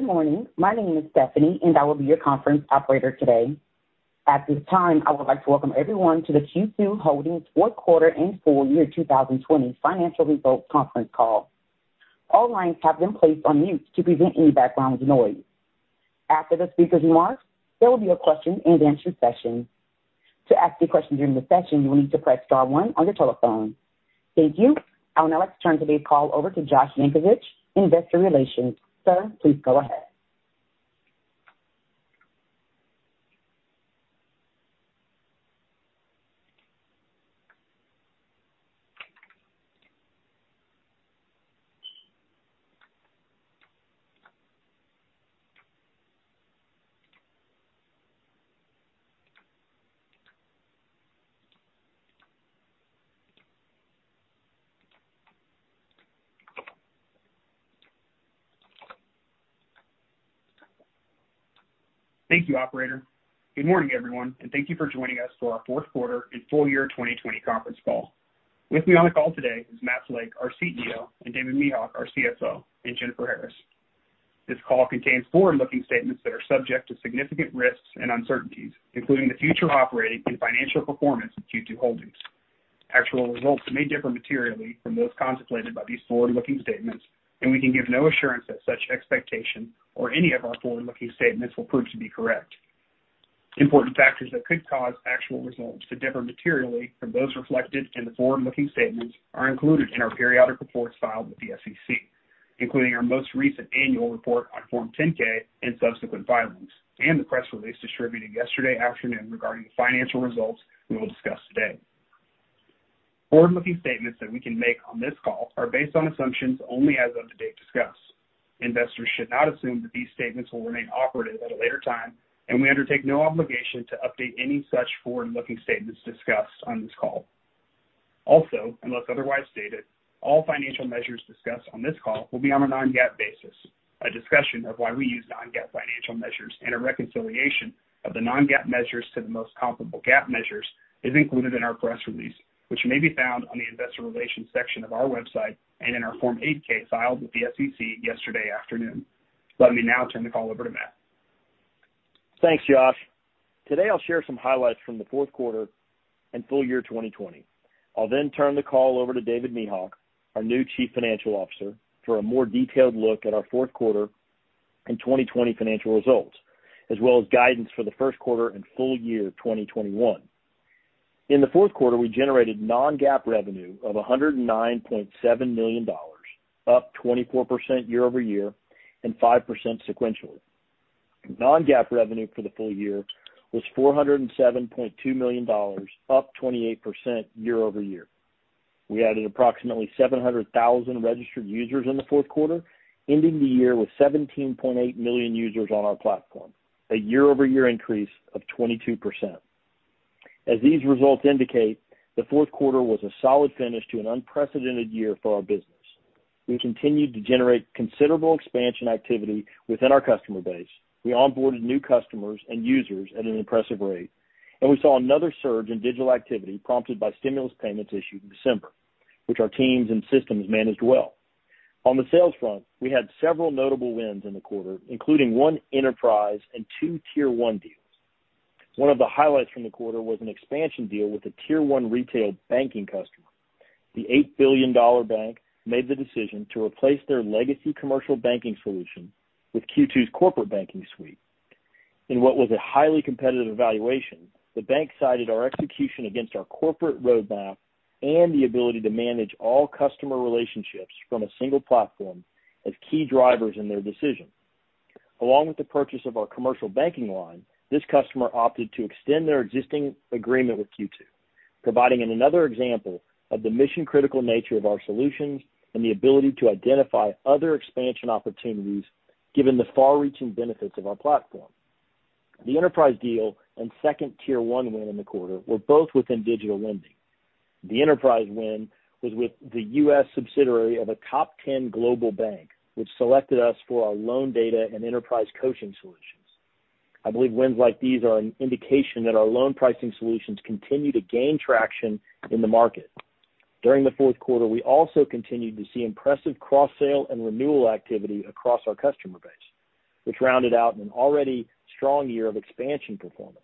Good morning. My name is Stephanie, and I will be your conference operator today. At this time, I would like to welcome everyone to the Q2 Holdings fourth quarter and full year 2020 financial results conference call. All lines have been placed on mute to prevent any background noise. After the speaker's remarks, there will be a question-and-answer session. To ask a question during the session, you will need to press star one on your telephone. Thank you. I would now like to turn today's call over to Josh Yankovich, Investor Relations. Sir, please go ahead. Thank you, operator. Good morning, everyone, and thank you for joining us for our fourth quarter and full year 2020 conference call. With me on the call today is Matt Flake, our CEO, and David Mehok, our CFO, and Jennifer Harris. This call contains forward-looking statements that are subject to significant risks and uncertainties, including the future operating and financial performance of Q2 Holdings. Actual results may differ materially from those contemplated by these forward-looking statements, and we can give no assurance that such expectation or any of our forward-looking statements will prove to be correct. Important factors that could cause actual results to differ materially from those reflected in the forward-looking statements are included in our periodic reports filed with the SEC, including our most recent annual report on Form 10-K and subsequent filings, and the press release distributed yesterday afternoon regarding the financial results we will discuss today. Forward-looking statements that we can make on this call are based on assumptions only as of the date discussed. Investors should not assume that these statements will remain operative at a later time, and we undertake no obligation to update any such forward-looking statements discussed on this call. Also, unless otherwise stated, all financial measures discussed on this call will be on a non-GAAP basis. A discussion of why we use non-GAAP financial measures and a reconciliation of the non-GAAP measures to the most comparable GAAP measures is included in our press release, which may be found on the Investor Relations section of our website and in our Form 8-K filed with the SEC yesterday afternoon. Let me now turn the call over to Matt. Thanks, Josh. Today, I'll share some highlights from the fourth quarter and full year 2020. I'll turn the call over to David Mehok, our new Chief Financial Officer, for a more detailed look at our fourth quarter and 2020 financial results, as well as guidance for the first quarter and full year 2021. In the fourth quarter, we generated non-GAAP revenue of $109.7 million, up 24% year-over-year and 5% sequentially. Non-GAAP revenue for the full year was $407.2 million, up 28% year-over-year. We added approximately 700,000 registered users in the fourth quarter, ending the year with 17.8 million users on our platform, a year-over-year increase of 22%. As these results indicate, the fourth quarter was a solid finish to an unprecedented year for our business. We continued to generate considerable expansion activity within our customer base. We onboarded new customers and users at an impressive rate, and we saw another surge in digital activity prompted by stimulus payments issued in December, which our teams and systems managed well. On the sales front, we had several notable wins in the quarter, including one enterprise and two Tier 1 deals. One of the highlights from the quarter was an expansion deal with a Tier 1 retail banking customer. The $8 billion bank made the decision to replace their legacy commercial banking solution with Q2's corporate banking suite. In what was a highly competitive evaluation, the bank cited our execution against our corporate roadmap and the ability to manage all customer relationships from a single platform as key drivers in their decision. Along with the purchase of our commercial banking line, this customer opted to extend their existing agreement with Q2, providing another example of the mission-critical nature of our solutions and the ability to identify other expansion opportunities given the far-reaching benefits of our platform. The enterprise deal and second Tier 1 win in the quarter were both within digital lending. The enterprise win was with the U.S. subsidiary of a top 10 global bank, which selected us for our loan data and enterprise coaching solutions. I believe wins like these are an indication that our loan pricing solutions continue to gain traction in the market. During the fourth quarter, we also continued to see impressive cross-sale and renewal activity across our customer base, which rounded out an already strong year of expansion performance.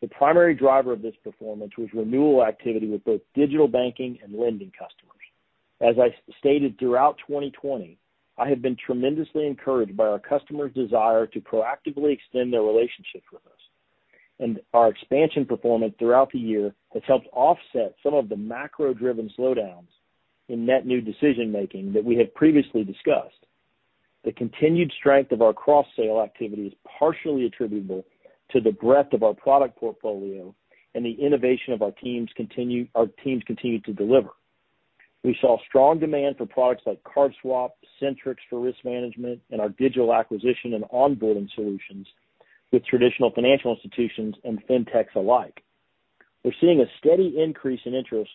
The primary driver of this performance was renewal activity with both digital banking and lending customers. As I stated throughout 2020, I have been tremendously encouraged by our customers' desire to proactively extend their relationships with us, and our expansion performance throughout the year has helped offset some of the macro-driven slowdowns in net new decision-making that we had previously discussed. The continued strength of our cross-sale activity is partially attributable to the breadth of our product portfolio and the innovation our teams continue to deliver. We saw strong demand for products like CardSwap, Centrix for risk management, and our digital acquisition and onboarding solutions with traditional financial institutions and fintechs alike. We're seeing a steady increase in interest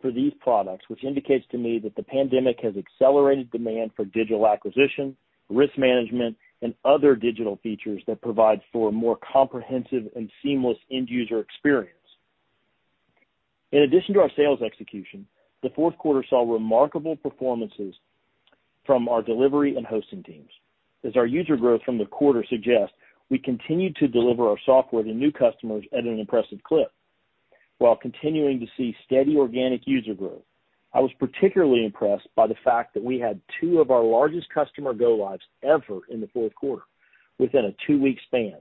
for these products, which indicates to me that the pandemic has accelerated demand for digital acquisition, risk management, and other digital features that provide for a more comprehensive and seamless end-user experience. In addition to our sales execution, the fourth quarter saw remarkable performances from our delivery and hosting teams. As our user growth from the quarter suggests, we continued to deliver our software to new customers at an impressive clip while continuing to see steady organic user growth. I was particularly impressed by the fact that we had two of our largest customer go-lives ever in the fourth quarter within a two-week span.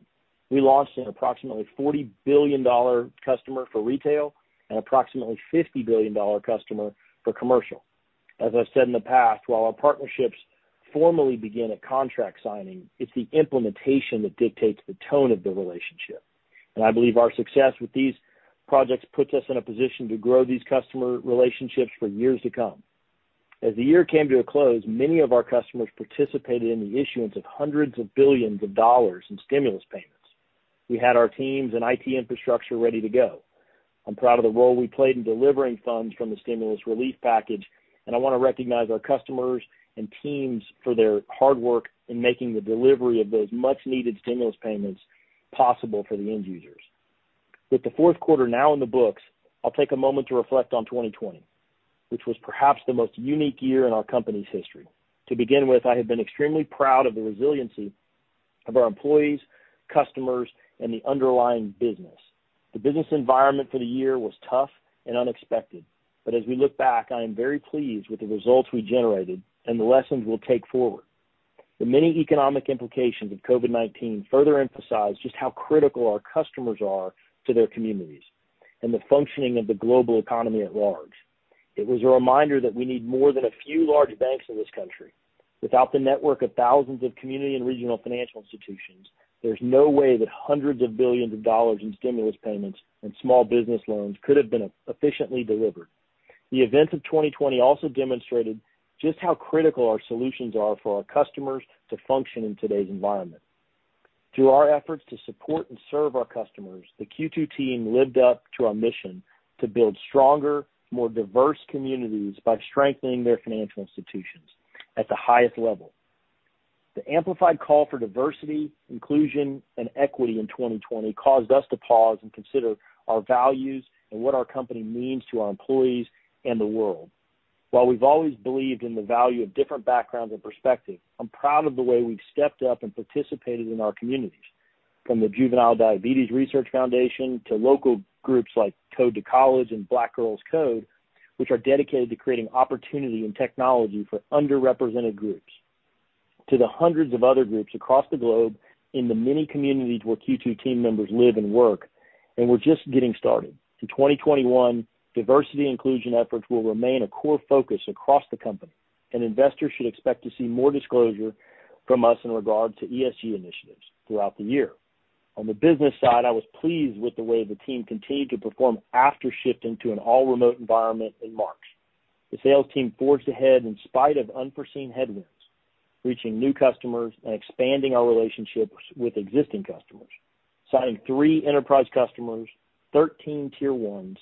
We launched an approximately $40 billion customer for retail and approximately $50 billion customer for commercial. As I've said in the past, while our partnerships formally begin at contract signing, it's the implementation that dictates the tone of the relationship. I believe our success with these projects puts us in a position to grow these customer relationships for years to come. As the year came to a close, many of our customers participated in the issuance of hundreds of billions of dollars in stimulus payments. We had our teams and IT infrastructure ready to go. I'm proud of the role we played in delivering funds from the stimulus relief package, and I want to recognize our customers and teams for their hard work in making the delivery of those much-needed stimulus payments possible for the end users. With the fourth quarter now in the books, I'll take a moment to reflect on 2020, which was perhaps the most unique year in our company's history. To begin with, I have been extremely proud of the resiliency of our employees, customers, and the underlying business. The business environment for the year was tough and unexpected, but as we look back, I am very pleased with the results we generated and the lessons we'll take forward. The many economic implications of COVID-19 further emphasize just how critical our customers are to their communities and the functioning of the global economy at large. It was a reminder that we need more than a few large banks in this country. Without the network of thousands of community and regional financial institutions, there's no way that hundreds of billions of dollars in stimulus payments and small business loans could have been efficiently delivered. The events of 2020 also demonstrated just how critical our solutions are for our customers to function in today's environment. Through our efforts to support and serve our customers, the Q2 team lived up to our mission to build stronger, more diverse communities by strengthening their financial institutions at the highest level. The amplified call for diversity, inclusion, and equity in 2020 caused us to pause and consider our values and what our company means to our employees and the world. While we've always believed in the value of different backgrounds and perspectives, I'm proud of the way we've stepped up and participated in our communities, from the Juvenile Diabetes Research Foundation to local groups like Code2College and Black Girls Code, which are dedicated to creating opportunity and technology for underrepresented groups, to the hundreds of other groups across the globe in the many communities where Q2 team members live and work, and we're just getting started. In 2021, diversity inclusion efforts will remain a core focus across the company. Investors should expect to see more disclosure from us in regard to ESG initiatives throughout the year. On the business side, I was pleased with the way the team continued to perform after shifting to an all-remote environment in March. The sales team forged ahead in spite of unforeseen headwinds, reaching new customers and expanding our relationships with existing customers, signing three enterprise customers, 13 Tier 1s,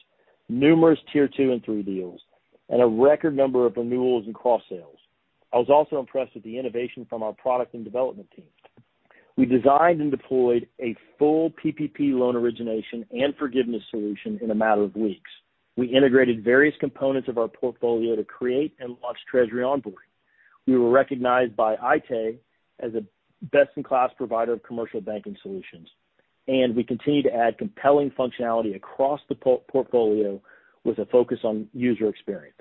numerous Tier 2 and 3 deals, and a record number of renewals and cross-sales. I was also impressed with the innovation from our product and development teams. We designed and deployed a full PPP loan origination and forgiveness solution in a matter of weeks. We integrated various components of our portfolio to create and launch Treasury Onboard. We were recognized by Aite as a best-in-class provider of commercial banking solutions. We continue to add compelling functionality across the portfolio with a focus on user experience.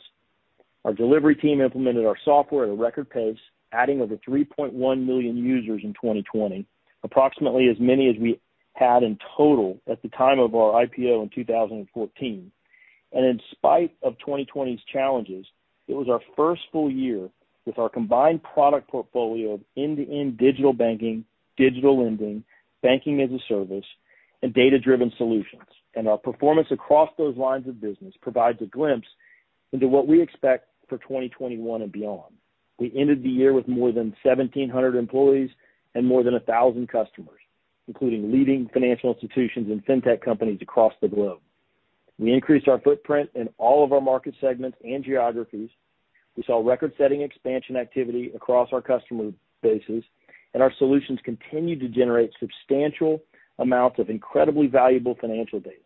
Our delivery team implemented our software at a record pace, adding over 3.1 million users in 2020, approximately as many as we had in total at the time of our IPO in 2014. In spite of 2020's challenges, it was our first full year with our combined product portfolio of end-to-end digital banking, digital lending, banking-as-a-service, and data-driven solutions. Our performance across those lines of business provides a glimpse into what we expect for 2021 and beyond. We ended the year with more than 1,700 employees and more than 1,000 customers, including leading financial institutions and fintech companies across the globe. We increased our footprint in all of our market segments and geographies. We saw record-setting expansion activity across our customer bases, and our solutions continued to generate substantial amounts of incredibly valuable financial data.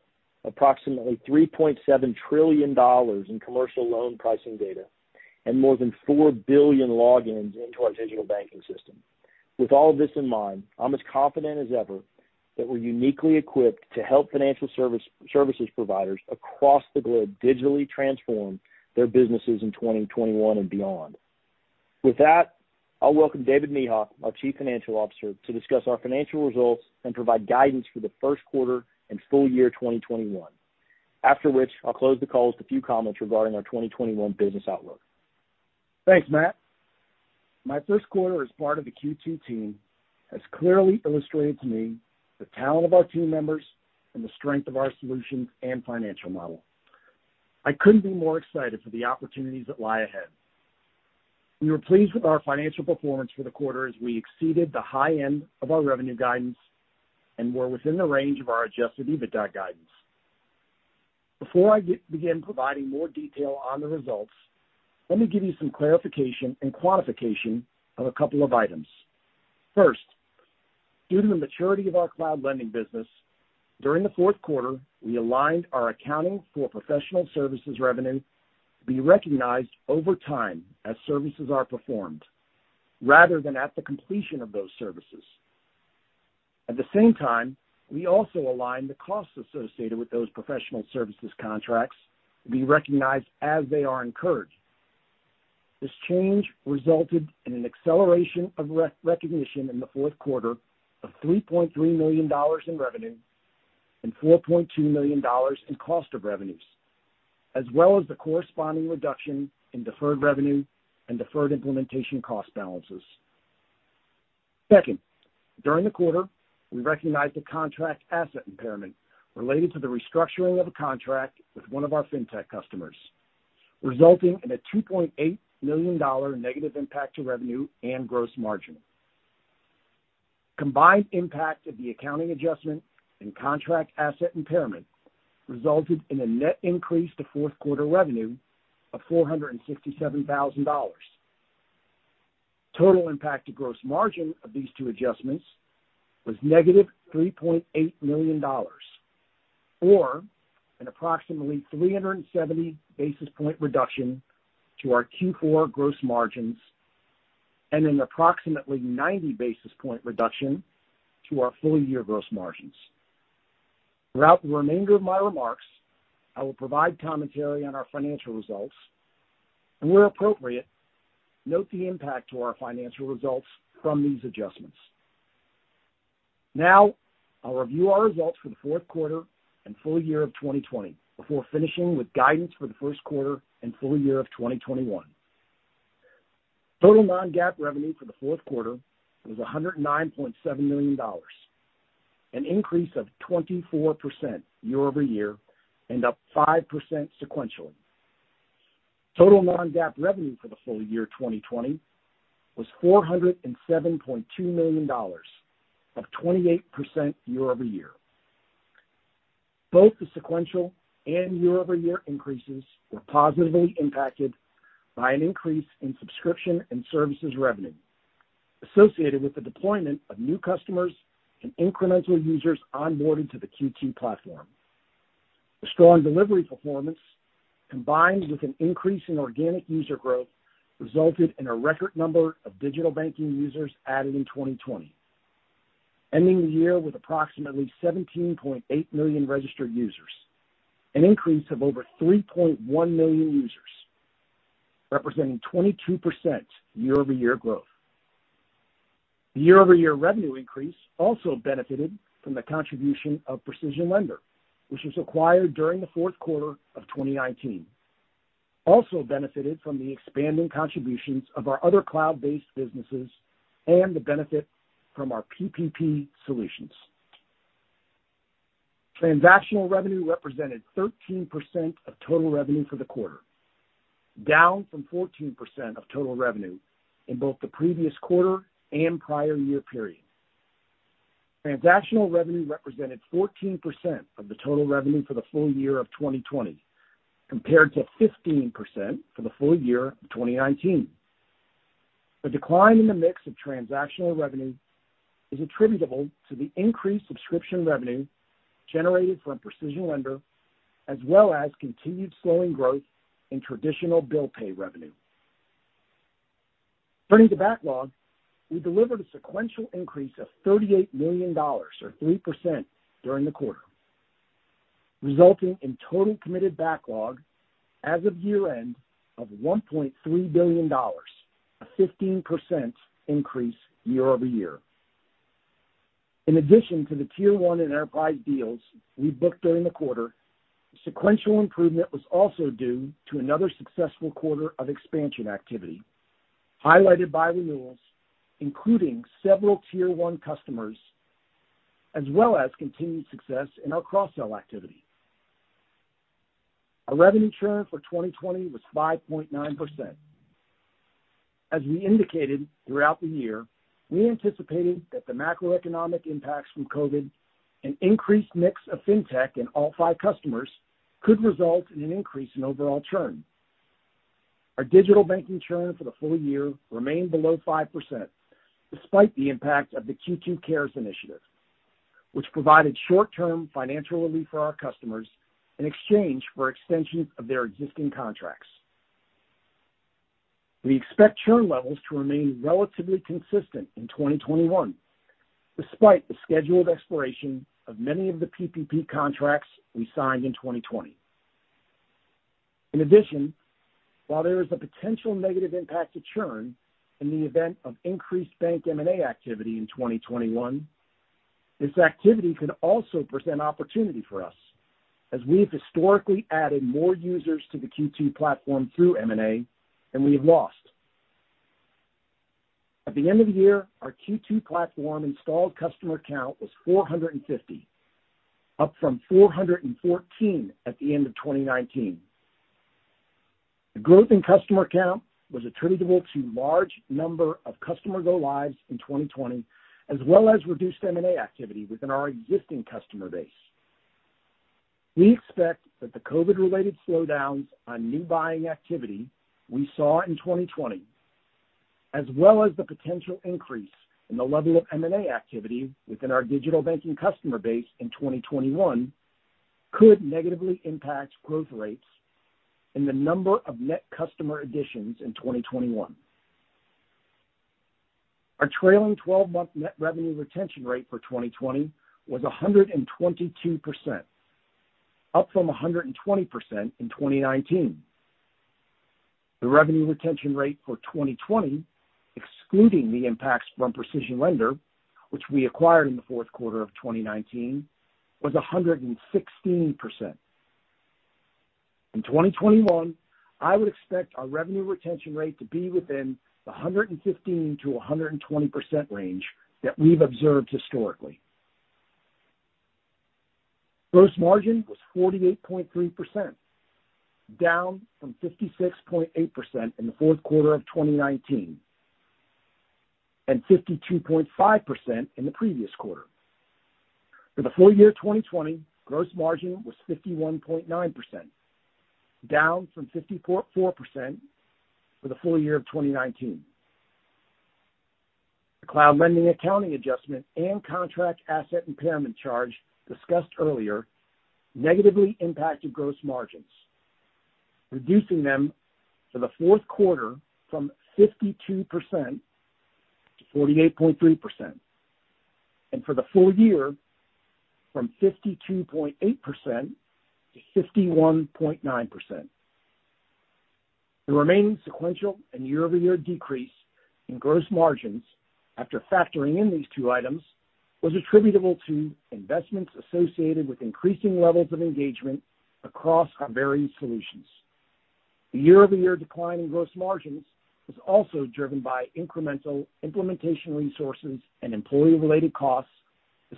Approximately $3.7 trillion in commercial loan pricing data and more than 4 billion logins into our digital banking system. With all this in mind, I'm as confident as ever that we're uniquely equipped to help financial services providers across the globe digitally transform their businesses in 2021 and beyond. With that, I'll welcome David Mehok, our Chief Financial Officer, to discuss our financial results and provide guidance for the first quarter and full year 2021. After which, I'll close the call with a few comments regarding our 2021 business outlook. Thanks, Matt. My first quarter as part of the Q2 team has clearly illustrated to me the talent of our team members and the strength of our solutions and financial model. I couldn't be more excited for the opportunities that lie ahead. We were pleased with our financial performance for the quarter as we exceeded the high end of our revenue guidance and were within the range of our adjusted EBITDA guidance. Before I begin providing more detail on the results, let me give you some clarification and quantification of a couple of items. First, due to the maturity of our Cloud Lending business, during the fourth quarter, we aligned our accounting for professional services revenue to be recognized over time as services are performed, rather than at the completion of those services. At the same time, we also aligned the costs associated with those professional services contracts to be recognized as they are incurred. This change resulted in an acceleration of recognition in the fourth quarter of $3.3 million in revenue and $4.2 million in cost of revenues, as well as the corresponding reduction in deferred revenue and deferred implementation cost balances. Second, during the quarter, we recognized a contract asset impairment related to the restructuring of a contract with one of our fintech customers, resulting in a $2.8 million negative impact to revenue and gross margin. Combined impact of the accounting adjustment and contract asset impairment resulted in a net increase to fourth quarter revenue of $467,000. Total impact to gross margin of these two adjustments was negative $3.8 million, or an approximately 370 basis point reduction to our Q4 gross margins, and an approximately 90 basis point reduction to our full-year gross margins. Throughout the remainder of my remarks, I will provide commentary on our financial results, and where appropriate, note the impact to our financial results from these adjustments. Now, I'll review our results for the fourth quarter and full year of 2020 before finishing with guidance for the first quarter and full year of 2021. Total non-GAAP revenue for the fourth quarter was $109.7 million, an increase of 24% year-over-year and up 5% sequentially. Total non-GAAP revenue for the full year 2020 was $407.2 million, up 28% year-over-year. Both the sequential and year-over-year increases were positively impacted by an increase in subscription and services revenue associated with the deployment of new customers and incremental users onboarded to the Q2 platform. The strong delivery performance, combined with an increase in organic user growth, resulted in a record number of digital banking users added in 2020, ending the year with approximately 17.8 million registered users, an increase of over 3.1 million users, representing 22% year-over-year growth. The year-over-year revenue increase also benefited from the contribution of PrecisionLender, which was acquired during the fourth quarter of 2019. Also benefited from the expanding contributions of our other cloud-based businesses and the benefit from our PPP solutions. Transactional revenue represented 13% of total revenue for the quarter, down from 14% of total revenue in both the previous quarter and prior year period. Transactional revenue represented 14% of the total revenue for the full year of 2020, compared to 15% for the full year of 2019. The decline in the mix of transactional revenue is attributable to the increased subscription revenue generated from PrecisionLender, as well as continued slowing growth in traditional bill pay revenue. Turning to backlog, we delivered a sequential increase of $38 million, or 3%, during the quarter, resulting in total committed backlog as of year-end of $1.3 billion, a 15% increase year-over-year. In addition to the Tier 1 and enterprise deals we booked during the quarter, sequential improvement was also due to another successful quarter of expansion activity, highlighted by renewals, including several Tier 1 customers, as well as continued success in our cross-sell activity. Our revenue churn for 2020 was 5.9%. As we indicated throughout the year, we anticipated that the macroeconomic impacts from COVID, an increased mix of fintech and all five customers could result in an increase in overall churn. Our digital banking churn for the full year remained below 5%, despite the impact of the Q2 Cares initiative, which provided short-term financial relief for our customers in exchange for extensions of their existing contracts. We expect churn levels to remain relatively consistent in 2021, despite the scheduled expiration of many of the PPP contracts we signed in 2020. In addition, while there is a potential negative impact to churn in the event of increased bank M&A activity in 2021, this activity could also present opportunity for us as we've historically added more users to the Q2 platform through M&A than we have lost. At the end of the year, our Q2 platform installed customer count was 450, up from 414 at the end of 2019. The growth in customer count was attributable to large number of customer go-lives in 2020, as well as reduced M&A activity within our existing customer base. We expect that the COVID-related slowdowns on new buying activity we saw in 2020, as well as the potential increase in the level of M&A activity within our digital banking customer base in 2021 could negatively impact growth rates in the number of net customer additions in 2021. Our trailing 12-month net revenue retention rate for 2020 was 122%, up from 120% in 2019. The revenue retention rate for 2020, excluding the impacts from PrecisionLender, which we acquired in the fourth quarter of 2019, was 116%. In 2021, I would expect our revenue retention rate to be within the 115%-120% range that we've observed historically. Gross margin was 48.3%, down from 56.8% in the fourth quarter of 2019 and 52.5% in the previous quarter. For the full year 2020, gross margin was 51.9%, down from 54.4% for the full year of 2019. The Cloud Lending accounting adjustment and contract asset impairment charge discussed earlier negatively impacted gross margins, reducing them for the fourth quarter from 52%-48.3%, and for the full year from 52.8%-51.9%. The remaining sequential and year-over-year decrease in gross margins after factoring in these two items was attributable to investments associated with increasing levels of engagement across our various solutions. The year-over-year decline in gross margins was also driven by incremental implementation resources and employee-related costs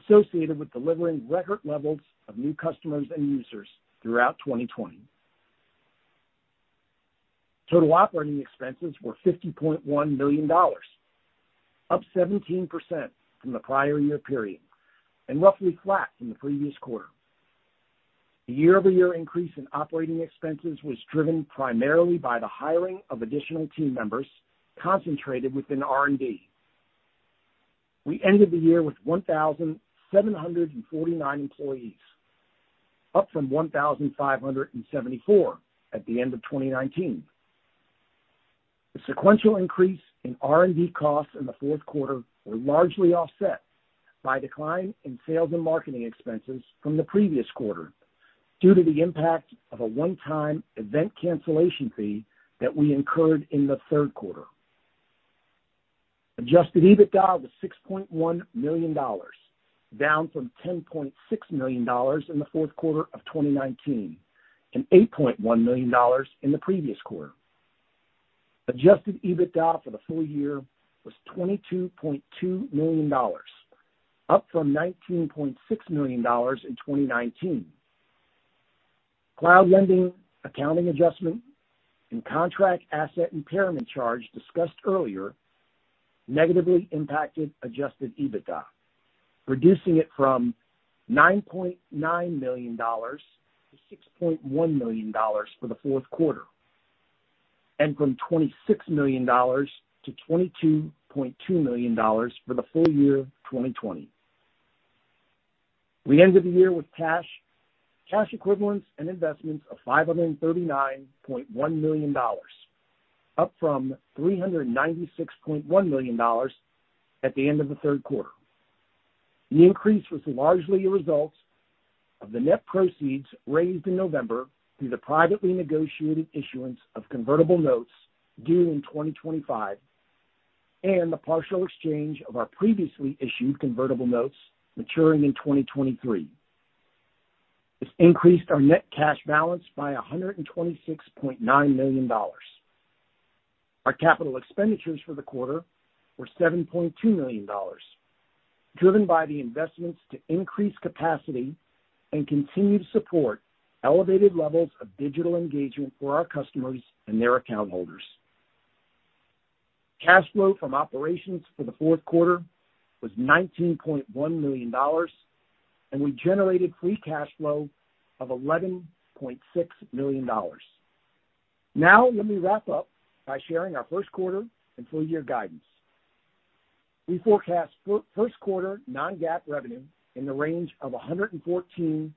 associated with delivering record levels of new customers and users throughout 2020. Total operating expenses were $50.1 million, up 17% from the prior year period, and roughly flat in the previous quarter. The year-over-year increase in operating expenses was driven primarily by the hiring of additional team members concentrated within R&D. We ended the year with 1,749 employees, up from 1,574 at the end of 2019. The sequential increase in R&D costs in the fourth quarter were largely offset by decline in sales and marketing expenses from the previous quarter due to the impact of a one-time event cancellation fee that we incurred in the third quarter. Adjusted EBITDA was $6.1 million, down from $10.6 million in the fourth quarter of 2019, and $8.1 million in the previous quarter. Adjusted EBITDA for the full year was $22.2 million, up from $19.6 million in 2019. Cloud Lending accounting adjustment and contract asset impairment charge discussed earlier negatively impacted adjusted EBITDA, reducing it from $9.9 million to $6.1 million for the fourth quarter, and from $26 million to $22.2 million for the full year 2020. We ended the year with cash equivalents, and investments of $539.1 million, up from $396.1 million at the end of the third quarter. The increase was largely a result of the net proceeds raised in November through the privately negotiated issuance of convertible notes due in 2025 and the partial exchange of our previously issued convertible notes maturing in 2023. This increased our net cash balance by $126.9 million. Our capital expenditures for the quarter were $7.2 million, driven by the investments to increase capacity and continue to support elevated levels of digital engagement for our customers and their account holders. Cash flow from operations for the fourth quarter was $19.1 million, and we generated free cash flow of $11.6 million. Let me wrap up by sharing our first quarter and full year guidance. We forecast first quarter non-GAAP revenue in the range of $114.6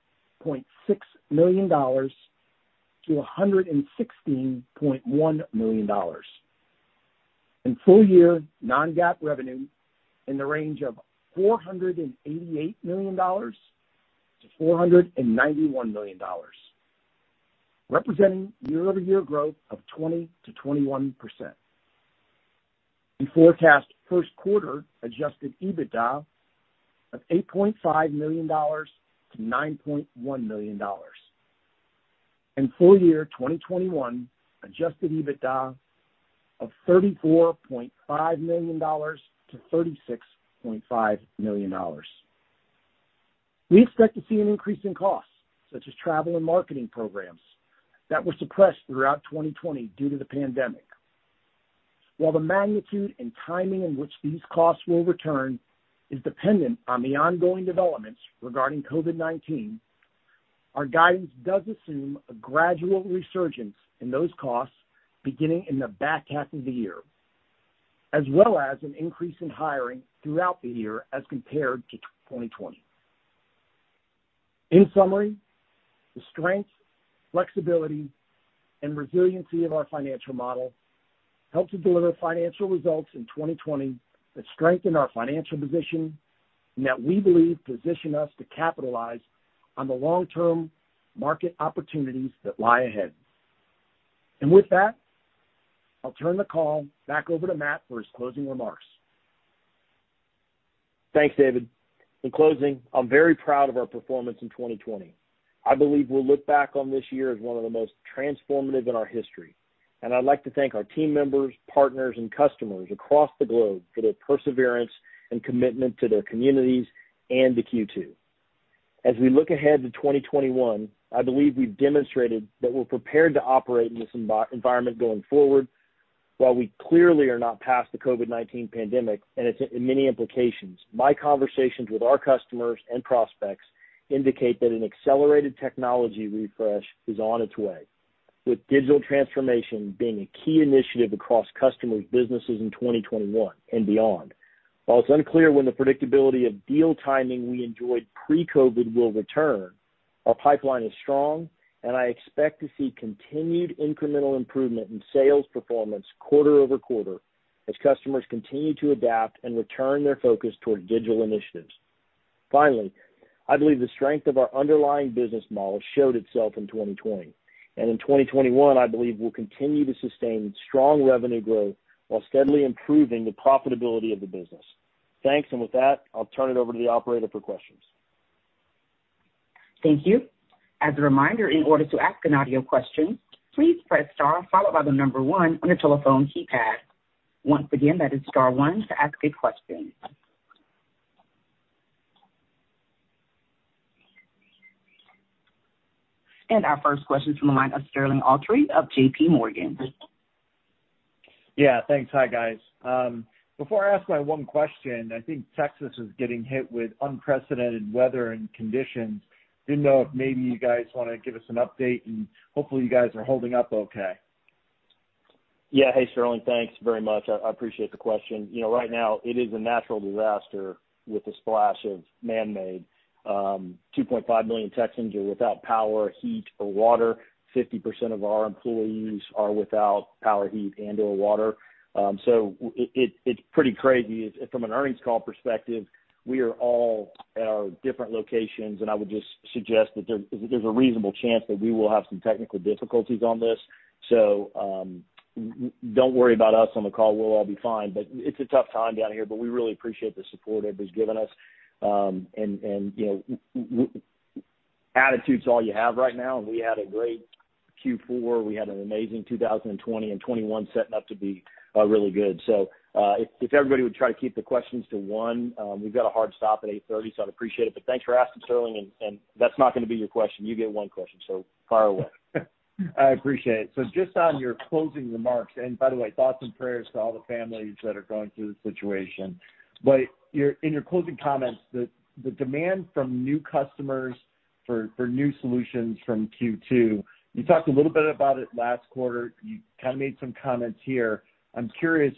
million-$116.1 million. Full year non-GAAP revenue in the range of $488 million-$491 million, representing year-over-year growth of 20%-21%. We forecast first quarter adjusted EBITDA of $8.5 million-$9.1 million, and full year 2021 adjusted EBITDA of $34.5 million-$36.5 million. We expect to see an increase in costs such as travel and marketing programs that were suppressed throughout 2020 due to the pandemic. While the magnitude and timing in which these costs will return is dependent on the ongoing developments regarding COVID-19, our guidance does assume a gradual resurgence in those costs beginning in the back half of the year, as well as an increase in hiring throughout the year as compared to 2020. In summary, the strength, flexibility, and resiliency of our financial model helped to deliver financial results in 2020 that strengthen our financial position and that we believe position us to capitalize on the long-term market opportunities that lie ahead. With that, I'll turn the call back over to Matt for his closing remarks. Thanks, David. In closing, I'm very proud of our performance in 2020. I believe we'll look back on this year as one of the most transformative in our history. I'd like to thank our team members, partners, and customers across the globe for their perseverance and commitment to their communities and to Q2. As we look ahead to 2021, I believe we've demonstrated that we're prepared to operate in this environment going forward. While we clearly are not past the COVID-19 pandemic and its many implications, my conversations with our customers and prospects indicate that an accelerated technology refresh is on its way, with digital transformation being a key initiative across customers' businesses in 2021 and beyond. While it's unclear when the predictability of deal timing we enjoyed pre-COVID will return, our pipeline is strong, and I expect to see continued incremental improvement in sales performance quarter-over-quarter as customers continue to adapt and return their focus toward digital initiatives. Finally, I believe the strength of our underlying business model showed itself in 2020. In 2021, I believe we'll continue to sustain strong revenue growth while steadily improving the profitability of the business. Thanks, and with that, I'll turn it over to the operator for questions. Thank you. As a reminder, in order to ask an audio question, please press star followed by the number one on your telephone keypad. Once again, that is star one to ask a question. Our first question is from the line of Sterling Autry of JPMorgan. Yeah, thanks. Hi, guys. Before I ask my one question, I think Texas is getting hit with unprecedented weather and conditions. Didn't know if maybe you guys want to give us an update and hopefully you guys are holding up okay. Yeah. Hey, Sterling. Thanks very much. I appreciate the question. Right now it is a natural disaster with a splash of man-made. 2.5 million Texans are without power, heat or water. 50% of our employees are without power, heat and/or water. It's pretty crazy. From an earnings call perspective, we are all at our different locations, and I would just suggest that there's a reasonable chance that we will have some technical difficulties on this. Don't worry about us on the call. We'll all be fine. It's a tough time down here, but we really appreciate the support everybody's given us. You know, attitude's all you have right now, and we had a great Q4. We had an amazing 2020, and 2021 setting up to be really good. If everybody would try to keep the questions to one, we've got a hard stop at 8:30, I'd appreciate it. Thanks for asking, Sterling. That's not going to be your question. You get one question, fire away. I appreciate it. Just on your closing remarks, and by the way, thoughts and prayers to all the families that are going through this situation. In your closing comments, the demand from new customers for new solutions from Q2, you talked a little bit about it last quarter. You kind of made some comments here. I'm curious,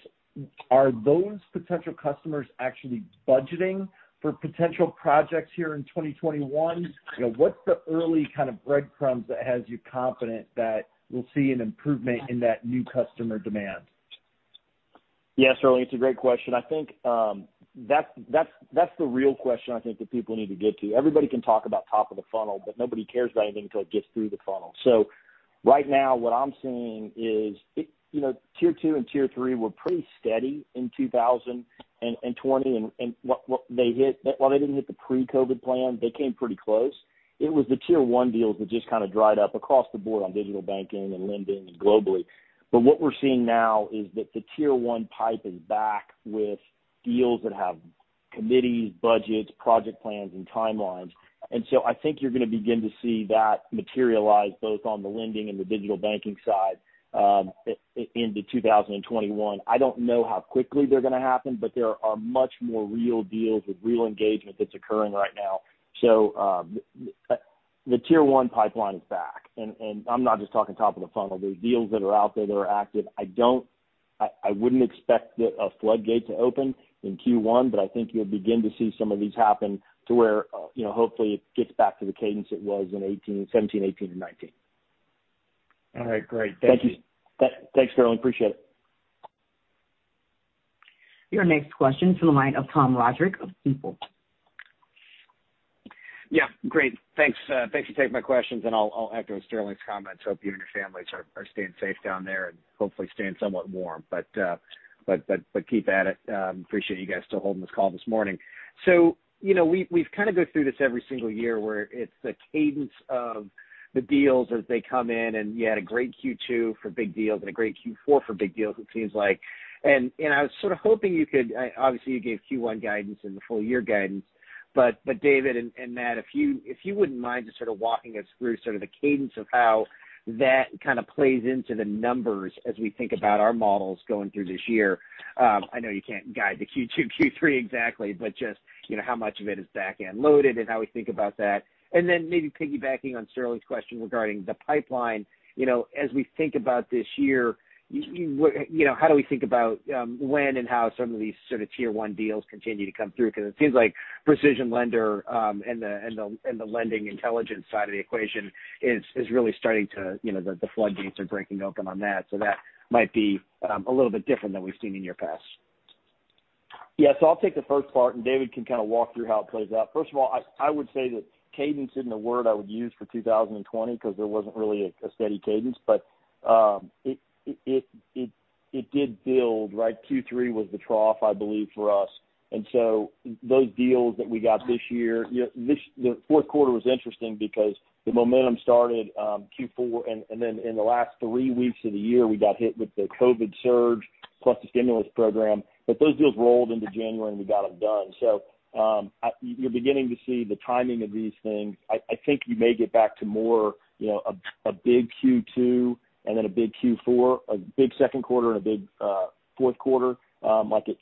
are those potential customers actually budgeting for potential projects here in 2021? What's the early kind of breadcrumbs that has you confident that we'll see an improvement in that new customer demand? Yeah, Sterling, it's a great question. I think that's the real question I think that people need to get to. Everybody can talk about top of the funnel, but nobody cares about anything until it gets through the funnel. Right now what I'm seeing is Tier 2 and Tier 3 were pretty steady in 2020. While they didn't hit the pre-COVID plan, they came pretty close. It was the Tier 1 deals that just kind of dried up across the board on digital banking and lending and globally. What we're seeing now is that the Tier 1 pipe is back with deals that have committees, budgets, project plans and timelines. I think you're going to begin to see that materialize both on the lending and the digital banking side into 2021. I don't know how quickly they're going to happen, but there are much more real deals with real engagement that's occurring right now. The Tier 1 pipeline is back. I'm not just talking top of the funnel. There's deals that are out there that are active. I wouldn't expect a floodgate to open in Q1, but I think you'll begin to see some of these happen to where hopefully it gets back to the cadence it was in 2017, 2018, and 2019. All right, great. Thank you. Thanks, Sterling, appreciate it. Your next question is from the line of Tom Roderick of Stifel. Great. Thanks for taking my questions, I'll echo Sterling's comments. Hope you and your families are staying safe down there and hopefully staying somewhat warm. But, keep at it. Appreciate you guys still holding this call this morning. We've kind of go through this every single year where it's the cadence of the deals as they come in, you had a great Q2 for big deals and a great Q4 for big deals it seems like. I was sort of hoping you could. Obviously you gave Q1 guidance and the full year guidance. David and Matt, if you wouldn't mind just sort of walking us through sort of the cadence of how that kind of plays into the numbers as we think about our models going through this year. I know you can't guide the Q2, Q3 exactly, but just how much of it is back-end loaded and how we think about that. Maybe piggybacking on Sterling's question regarding the pipeline. As we think about this year, how do we think about when and how some of these sort of Tier 1 deals continue to come through? It seems like PrecisionLender and the lending intelligence side of the equation is really starting to, you know, the floodgates are breaking open on that. That might be a little bit different than we've seen in years past. Yes. I'll take the first part, and David can kind of walk through how it plays out. First of all, I would say that cadence isn't a word I would use for 2020 because there wasn't really a steady cadence. It did build, right? Q3 was the trough, I believe, for us. Those deals that we got this year, the fourth quarter was interesting because the momentum started Q4, and then in the last three weeks of the year, we got hit with the COVID surge plus the stimulus program. Those deals rolled into January, and we got them done. You're beginning to see the timing of these things. I think you may get back to more a big Q2 and then a big Q4, a big second quarter and a big fourth quarter, like it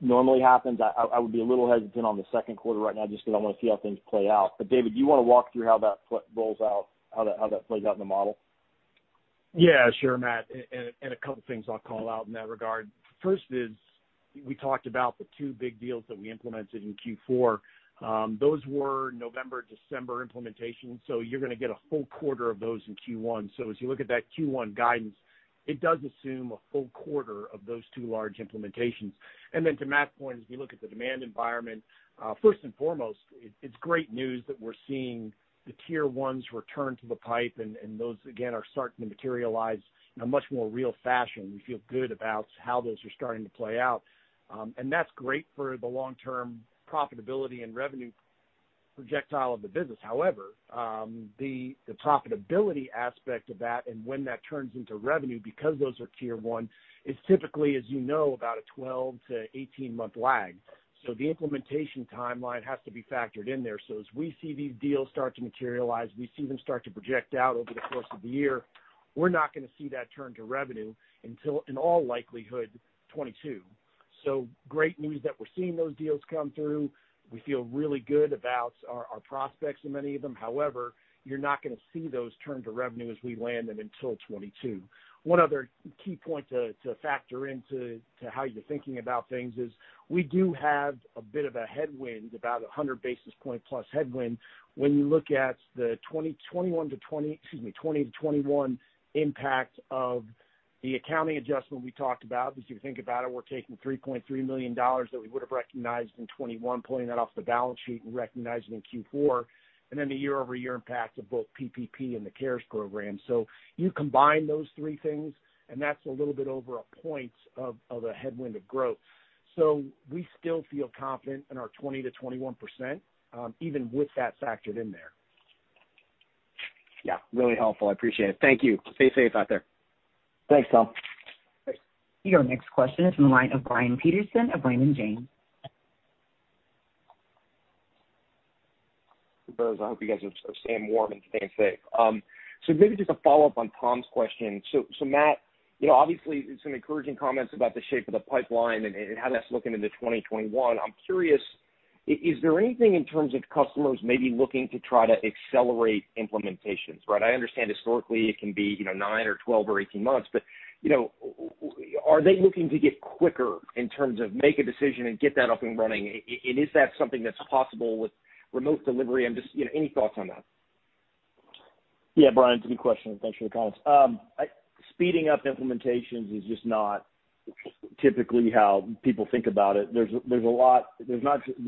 normally happens. I would be a little hesitant on the second quarter right now just because I want to see how things play out. David, do you want to walk through how that rolls out, how that plays out in the model? Yeah. Sure, Matt. A couple of things I'll call out in that regard. First is we talked about the two big deals that we implemented in Q4. Those were November, December implementations, you're going to get a whole quarter of those in Q1. As you look at that Q1 guidance, it does assume a full quarter of those two large implementations. To Matt's point, as we look at the demand environment, first and foremost, it's great news that we're seeing the Tier 1s return to the pipe. Those, again, are starting to materialize in a much more real fashion. We feel good about how those are starting to play out. That's great for the long-term profitability and revenue trajectory of the business. However, the profitability aspect of that and when that turns into revenue, because those are Tier 1, is typically, as you know, about a 12-18-month lag. The implementation timeline has to be factored in there. As we see these deals start to materialize, we see them start to project out over the course of the year. We're not going to see that turn to revenue until, in all likelihood, 2022. Great news that we're seeing those deals come through. We feel really good about our prospects in many of them. You're not going to see those turn to revenue as we land them until 2022. One other key point to factor into how you're thinking about things is we do have a bit of a headwind, about 100 basis point plus headwind. When you look at the 2021 impact of the accounting adjustment we talked about, because if you think about it, we're taking $3.3 million that we would have recognized in 2021, pulling that off the balance sheet and recognizing it in Q4, and then the year-over-year impact of both PPP and the CARES program. You combine those three things, and that's a little bit over a point of a headwind of growth. We still feel confident in our 20%-21%, even with that factored in there. Yeah, really helpful. I appreciate it. Thank you. Stay safe out there. Thanks, Tom. Your next question is from the line of Brian Peterson of Raymond James. I hope you guys are staying warm and staying safe. Maybe just a follow-up on Tom's question. Matt, obviously some encouraging comments about the shape of the pipeline and how that's looking into 2021. I'm curious, is there anything in terms of customers maybe looking to try to accelerate implementations? I understand historically it can be nine or 12 or 18 months, but are they looking to get quicker in terms of make a decision and get that up and running? And is that something that's possible with remote delivery? And just any thoughts on that. Yeah, Brian, it's a good question. Thanks for the comments. Speeding up implementations is just not typically how people think about it. The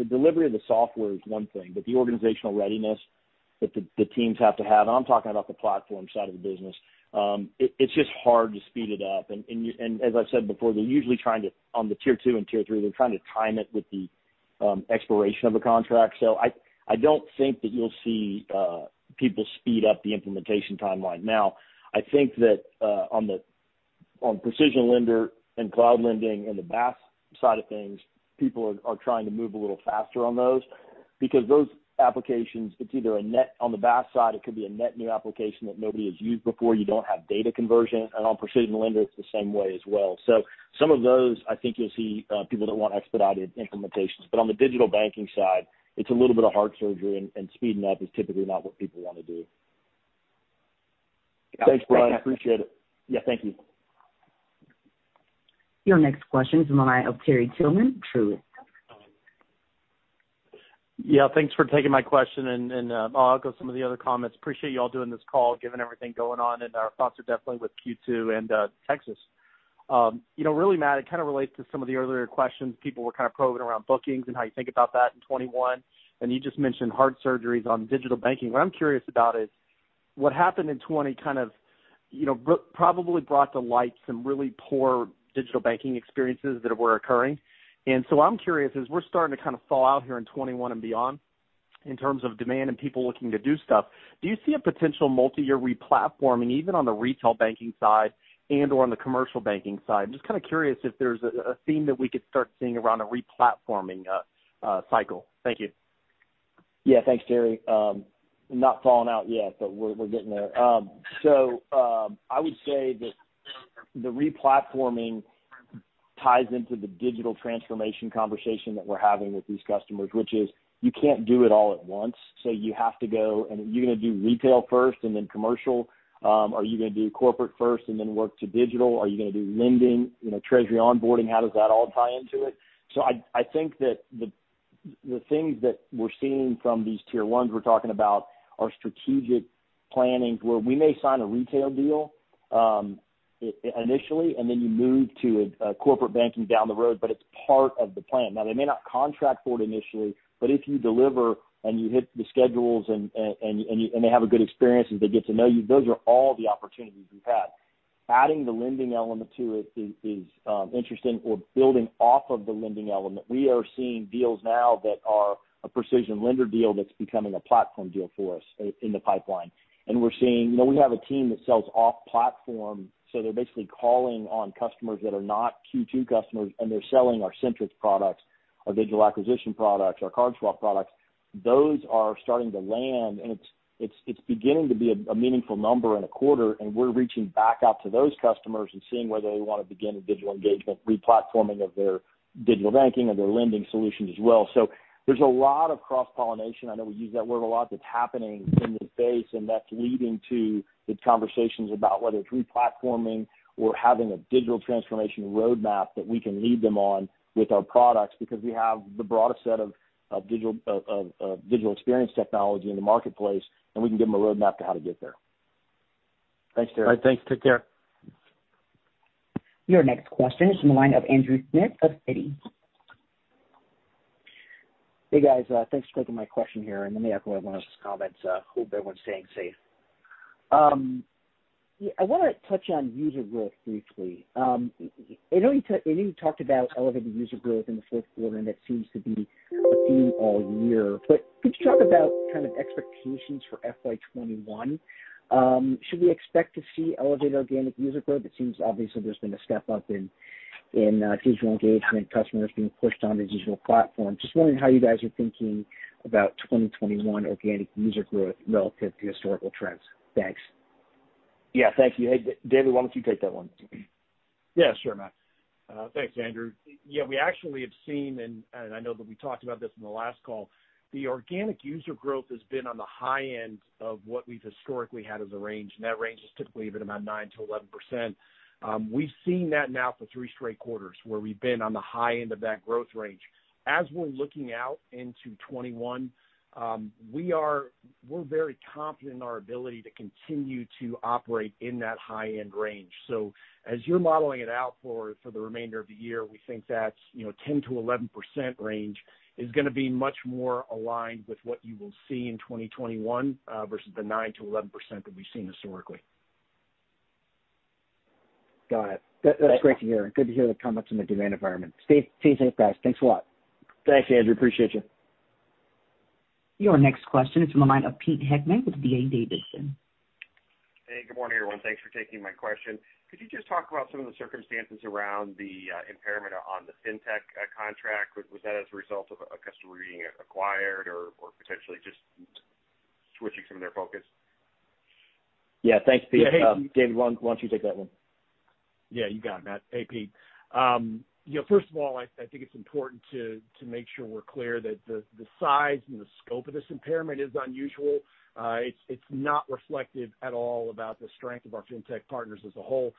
delivery of the software is one thing, but the organizational readiness that the teams have to have, I'm talking about the platform side of the business. It's just hard to speed it up. As I said before, they're usually trying to, on the Tier 2 and Tier 3, they're trying to time it with the expiration of a contract. I don't think that you'll see people speed up the implementation timeline. Now, I think that on PrecisionLender and Cloud Lending and the BaaS side of things, people are trying to move a little faster on those because those applications, it's either net on the BaaS side, it could be a net new application that nobody has used before. You don't have data conversion. On PrecisionLender, it's the same way as well. Some of those, I think you'll see people that want expedited implementations. On the digital banking side, it's a little bit of heart surgery, and speeding up is typically not what people want to do. Yeah. Thanks, Brian. I appreciate it. Yeah. Thank you. Your next question is from the line of Terry Tillman, Truist. Yeah. Thanks for taking my question, and I'll echo some of the other comments. Appreciate you all doing this call, given everything going on, and our thoughts are definitely with Q2 and Texas. You know, really, Matt, it kind of relates to some of the earlier questions. People were kind of probing around bookings and how you think about that in 2021, and you just mentioned heart surgeries on digital banking. What I'm curious about is what happened in 2020 kind of probably brought to light some really poor digital banking experiences that were occurring. So I'm curious, as we're starting to kind of thaw out here in 2021 and beyond, in terms of demand and people looking to do stuff, do you see a potential multi-year replatforming even on the retail banking side and/or on the commercial banking side? I'm just kind of curious if there's a theme that we could start seeing around a replatforming cycle. Thank you. Thanks, Terry. Not falling out yet, we're getting there. I would say that the replatforming ties into the digital transformation conversation that we're having with these customers, which is you can't do it all at once. You have to go and you're going to do retail first and then commercial. Are you going to do corporate first and then work to digital? Are you going to do lending, you know, treasury onboarding? How does that all tie into it? I think that the things that we're seeing from these Tier 1s we're talking about are strategic planning where we may sign a retail deal initially, and then you move to a corporate banking down the road, but it's part of the plan. Now, they may not contract for it initially, but if you deliver and you hit the schedules and they have a good experience as they get to know you, those are all the opportunities you have. Adding the lending element to it is interesting. We're building off of the lending element. We are seeing deals now that are a PrecisionLender deal that's becoming a platform deal for us in the pipeline. And we're seeing, we have a team that sells off-platform, so they're basically calling on customers that are not Q2 customers, and they're selling our Centrix products, our digital acquisition products, our CardSwap products. Those are starting to land. It's beginning to be a meaningful number in a quarter. We're reaching back out to those customers and seeing whether they want to begin a digital engagement replatforming of their digital banking or their lending solutions as well. There's a lot of cross-pollination, I know we use that word a lot, that's happening in the space. That's leading to the conversations about whether it's replatforming or having a digital transformation roadmap that we can lead them on with our products because we have the broadest set of digital experience technology in the marketplace. We can give them a roadmap to how to get there. Thanks, Terry. All right. Thanks. Take care. Your next question is from the line of Andrew Smith of Citi. Hey, guys. Thanks for taking my question here, and let me echo everyone else's comments. Hope everyone's staying safe. I want to touch on user growth briefly. I know you talked about elevated user growth in the fourth quarter, and that seems to be a theme all year. Could you talk about kind of expectations for FY 2021? Should we expect to see elevated organic user growth? It seems obviously there's been a step up in digital engagement, customers being pushed onto digital platforms. Just wondering how you guys are thinking about 2021 organic user growth relative to historical trends. Thanks. Yeah. Thank you. Hey, David, why don't you take that one? Sure, Matt. Thanks, Andrew. We actually have seen, and I know that we talked about this in the last call, the organic user growth has been on the high end of what we've historically had as a range, and that range is typically about 9%-11%. We've seen that now for three straight quarters where we've been on the high end of that growth range. As we're looking out into 2021, we're very confident in our ability to continue to operate in that high-end range. As you're modeling it out for the remainder of the year, we think that 10%-11% range is going to be much more aligned with what you will see in 2021 versus the 9%-11% that we've seen historically. Got it. That's great to hear. Good to hear the comments on the demand environment. Stay safe, guys. Thanks a lot. Thanks, Andrew. Appreciate you. Your next question is from the line of Pete Heckmann with D.A. Davidson. Hey, good morning, everyone. Thanks for taking my question. Could you just talk about some of the circumstances around the impairment on the fintech contract? Was that as a result of a customer being acquired or potentially just switching some of their focus? Yeah. Thanks, Pete. David, why don't you take that one? Yeah, you got it, Matt. Hey, Pete. First of all, I think it's important to make sure we're clear that the size and the scope of this impairment is unusual. It's not reflective at all about the strength of our fintech partners as a whole.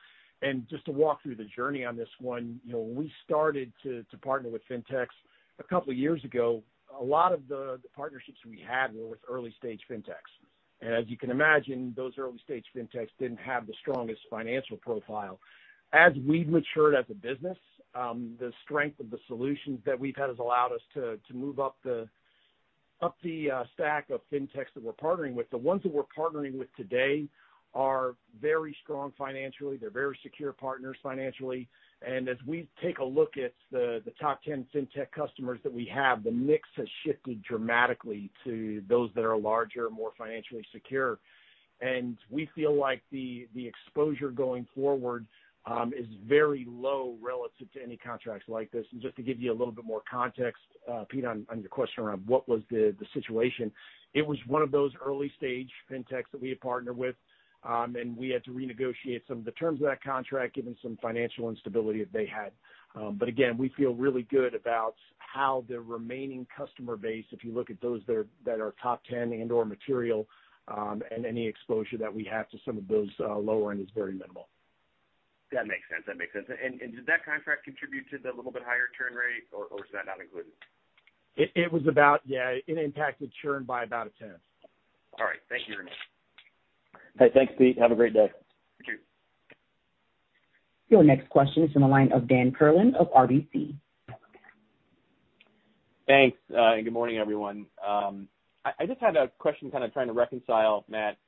Just to walk through the journey on this one, when we started to partner with fintechs a couple of years ago, a lot of the partnerships we had were with early-stage fintechs. As you can imagine, those early-stage fintechs didn't have the strongest financial profile. As we've matured as a business, the strength of the solutions that we've had has allowed us to move up the stack of fintechs that we're partnering with. The ones that we're partnering with today are very strong financially. They're very secure partners financially. As we take a look at the top 10 fintech customers that we have, the mix has shifted dramatically to those that are larger and more financially secure. We feel like the exposure going forward is very low relative to any contracts like this. Just to give you a little bit more context, Pete, on your question around what was the situation, it was one of those early-stage fintechs that we had partnered with, and we had to renegotiate some of the terms of that contract given some financial instability that they had. But again, we feel really good about how the remaining customer base, if you look at those that are top 10 and/or material, and any exposure that we have to some of those lower end is very minimal. That makes sense. Did that contract contribute to the little bit higher churn rate, or is that not included? Yeah, it impacted churn by about a 10th. All right. Thank you very much. Hey, thanks, Pete. Have a great day. You too. Your next question is from the line of Dan Perlin of RBC. Thanks. Good morning, everyone. I just had a question kind of trying to reconcile, Matt,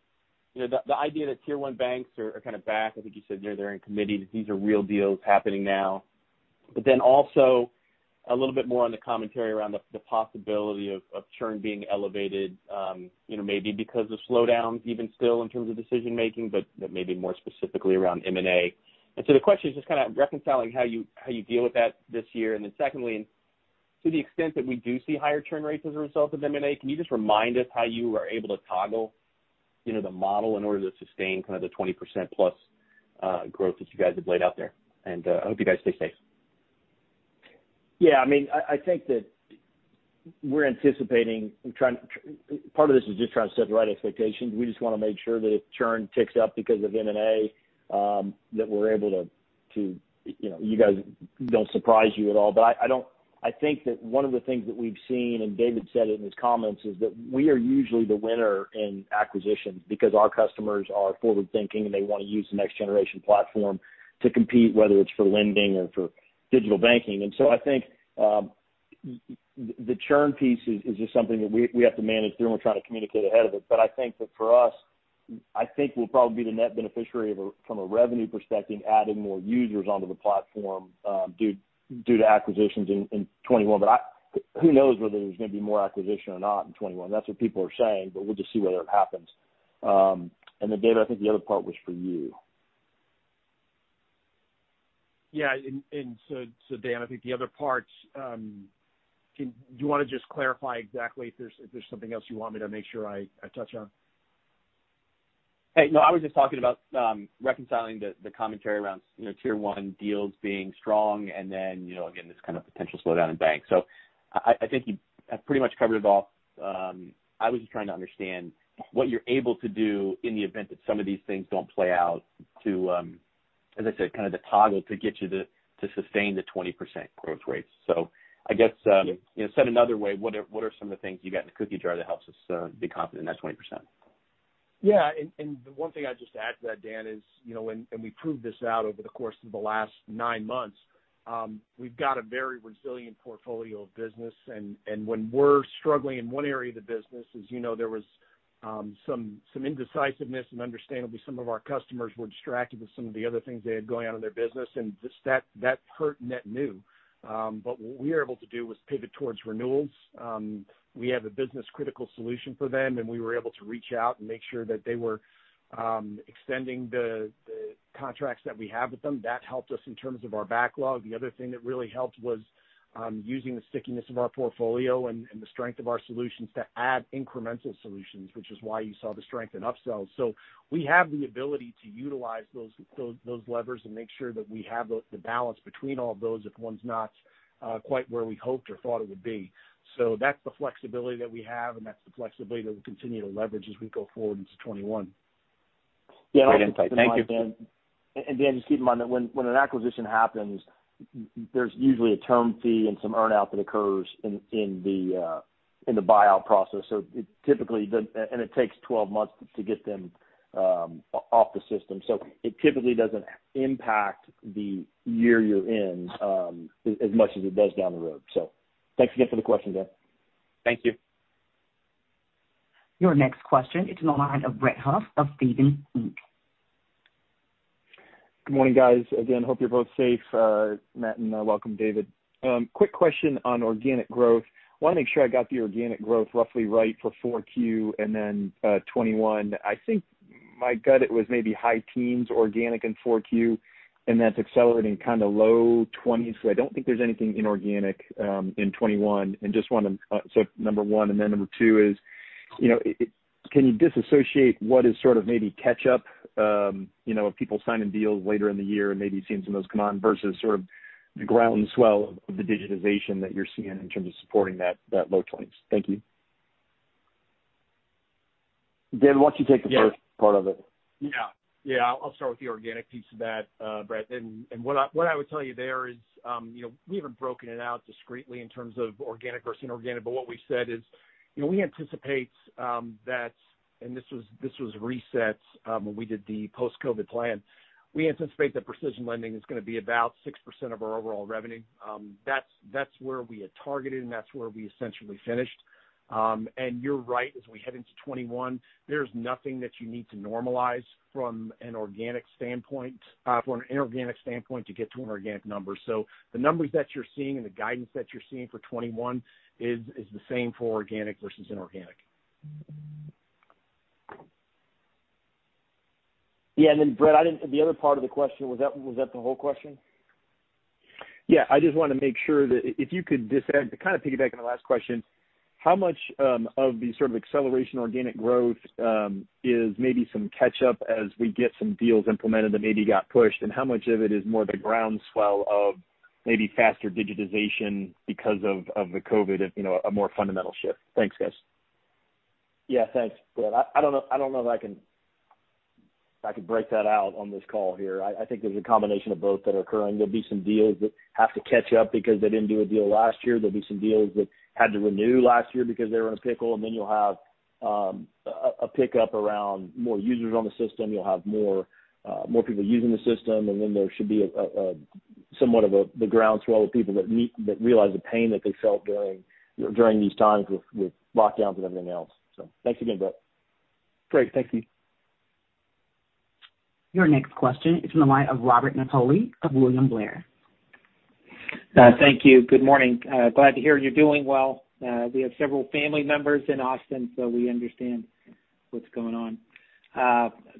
the idea that Tier 1 banks are kind of back. I think you said they're in committee, that these are real deals happening now. Also a little bit more on the commentary around the possibility of churn being elevated, maybe because of slowdowns even still in terms of decision-making, but maybe more specifically around M&A. The question is just kind of reconciling how you deal with that this year. Secondly, to the extent that we do see higher churn rates as a result of M&A, can you just remind us how you are able to toggle the model in order to sustain the 20%+ growth that you guys have laid out there? I hope you guys stay safe. Yeah. I think that part of this is just trying to set the right expectations. We just want to make sure that if churn ticks up because of M&A. We're able to, you guys, don't surprise you at all. I think that one of the things that we've seen, and David said it in his comments, is that we are usually the winner in acquisitions because our customers are forward-thinking, and they want to use the next-generation platform to compete, whether it's for lending or for digital banking. I think the churn piece is just something that we have to manage through, and we're trying to communicate ahead of it. I think that for us, I think we'll probably be the net beneficiary from a revenue perspective, adding more users onto the platform due to acquisitions in 2021. Who knows whether there's going to be more acquisition or not in 2021. That's what people are saying, but we'll just see whether it happens. David, I think the other part was for you. Yeah. Dan, I think the other parts, do you want to just clarify exactly if there's something else you want me to make sure I touch on? Hey, no, I was just talking about reconciling the commentary around Tier 1 deals being strong and then, again, this kind of potential slowdown in banks. I think you have pretty much covered it all. I was just trying to understand what you're able to do in the event that some of these things don't play out to, as I said, kind of the toggle to get you to sustain the 20% growth rates. I guess. Yeah. Said another way, what are some of the things you got in the cookie jar that helps us be confident in that 20%? Yeah. The one thing I'd just add to that, Dan, is, and we proved this out over the course of the last nine months, we've got a very resilient portfolio of business. When we're struggling in one area of the business, as you know, there was some indecisiveness, and understandably, some of our customers were distracted with some of the other things they had going on in their business. That hurt net new. What we were able to do was pivot towards renewals. We have a business-critical solution for them, and we were able to reach out and make sure that they were extending the contracts that we have with them. That helped us in terms of our backlog. The other thing that really helped was using the stickiness of our portfolio and the strength of our solutions to add incremental solutions, which is why you saw the strength in upsells. We have the ability to utilize those levers and make sure that we have the balance between all of those if one's not quite where we hoped or thought it would be. That's the flexibility that we have, and that's the flexibility that we'll continue to leverage as we go forward into 2021. Great insight. Thank you. Dan, just keep in mind that when an acquisition happens, there's usually a term fee and some earn-out that occurs in the buyout process. Typically, it takes 12 months to get them off the system. It typically doesn't impact the year you're in as much as it does down the road. Thanks again for the question, Dan. Thank you. Your next question is in the line of Brett Huff of Stephens Inc. Good morning, guys. Again, hope you're both safe, Matt, and welcome, David. Quick question on organic growth. Want to make sure I got the organic growth roughly right for Q4 and then 2021. I think my gut, it was maybe high teens organic in Q4, and that's accelerating kind of low 20s because I don't think there's anything inorganic in 2021. Number one. Number two is, can you disassociate what is sort of maybe catch-up, of people signing deals later in the year and maybe seeing some of those come on versus sort of the ground swell of the digitization that you're seeing in terms of supporting that low 20s? Thank you. Dan, why don't you take the first part of it? Yeah. I'll start with the organic piece of that, Brett. What I would tell you there is, we haven't broken it out discreetly in terms of organic versus inorganic. What we've said is, we anticipate that, and this was resets when we did the post-COVID plan. We anticipate that PrecisionLender is going to be about 6% of our overall revenue. That's where we had targeted, and that's where we essentially finished. You're right, as we head into 2021, there's nothing that you need to normalize from an organic standpoint from an inorganic standpoint to get to an organic number. The numbers that you're seeing and the guidance that you're seeing for 2021 is the same for organic versus inorganic. Yeah. Then Brett, the other part of the question, was that the whole question? Yeah, I just want to make sure that if you could, just had to kind of piggyback on the last question, how much of the sort of acceleration organic growth is maybe some catch-up as we get some deals implemented that maybe got pushed, and how much of it is more the ground swell of maybe faster digitization because of the COVID, a more fundamental shift? Thanks, guys. Yeah. Thanks, Brett. I don't know if I could break that out on this call here. I think there's a combination of both that are occurring. There'll be some deals that have to catch up because they didn't do a deal last year. There'll be some deals that had to renew last year because they were in a pickle. You'll have a pick-up around more users on the system. You'll have more people using the system. There should be somewhat of the ground swell of people that realize the pain that they felt during these times with lockdowns and everything else. Thanks again, Brett. Great. Thank you. Your next question is from the line of Robert Napoli of William Blair. Thank you. Good morning. Glad to hear you're doing well. We have several family members in Austin. We understand what's going on.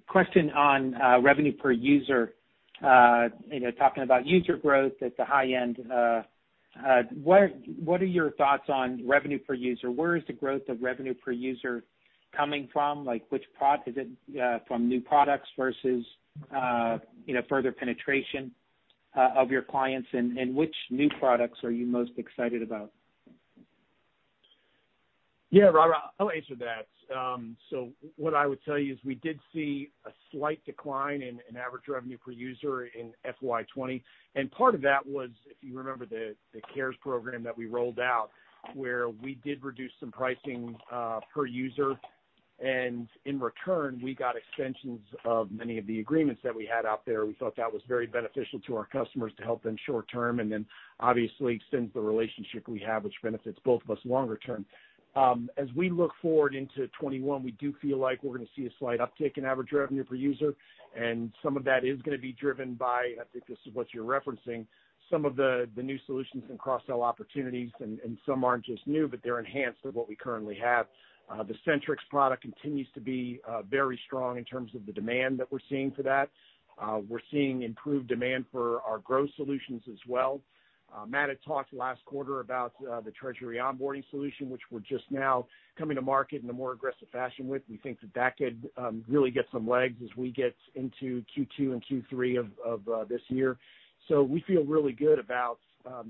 Question on revenue per user. Talking about user growth at the high end, what are your thoughts on revenue per user? Where is the growth of revenue per user coming from? Is it from new products versus further penetration of your clients? Which new products are you most excited about? Yeah, Robert, I'll answer that. What I would tell you is we did see a slight decline in average revenue per user in FY 2020. Part of that was, if you remember the CARES program that we rolled out, where we did reduce some pricing per user, and in return, we got extensions of many of the agreements that we had out there. We thought that was very beneficial to our customers to help them short-term, and then obviously extend the relationship we have, which benefits both of us longer term. As we look forward into 2021, we do feel like we're going to see a slight uptick in average revenue per user, and some of that is going to be driven by, I think this is what you're referencing, some of the new solutions and cross-sell opportunities, and some aren't just new, but they're enhanced of what we currently have. The Centrix product continues to be very strong in terms of the demand that we're seeing for that. We're seeing improved demand for our growth solutions as well. Matt had talked last quarter about the Treasury Onboarding Solution, which we're just now coming to market in a more aggressive fashion with. We think that that could really get some legs as we get into Q2 and Q3 of this year. We feel really good about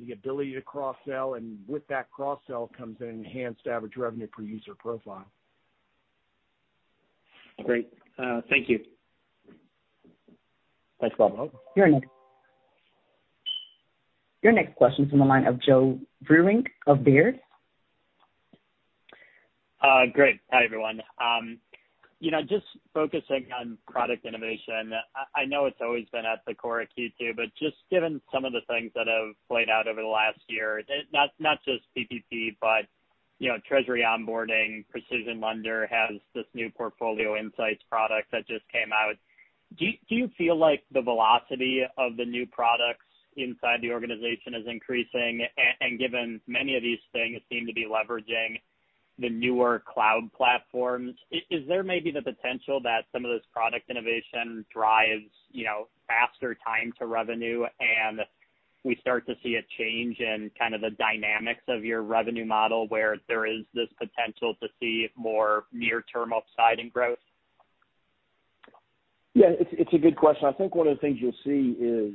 the ability to cross-sell, and with that cross-sell comes an enhanced average revenue per user profile. Great. Thank you. Thanks, Robert. Your next question is from the line of Joe Vruwink of Baird. Great. Hi, everyone. Focusing on product innovation. I know it's always been at the core at Q2, but just given some of the things that have played out over the last year, not just PPP, but treasury onboarding, PrecisionLender has this new Portfolio Insights product that just came out. Do you feel like the velocity of the new products inside the organization is increasing? Given many of these things seem to be leveraging the newer cloud platforms, is there maybe the potential that some of this product innovation drives faster time to revenue, and we start to see a change in kind of the dynamics of your revenue model where there is this potential to see more near-term upside in growth? Yeah. It's a good question. I think one of the things you'll see is,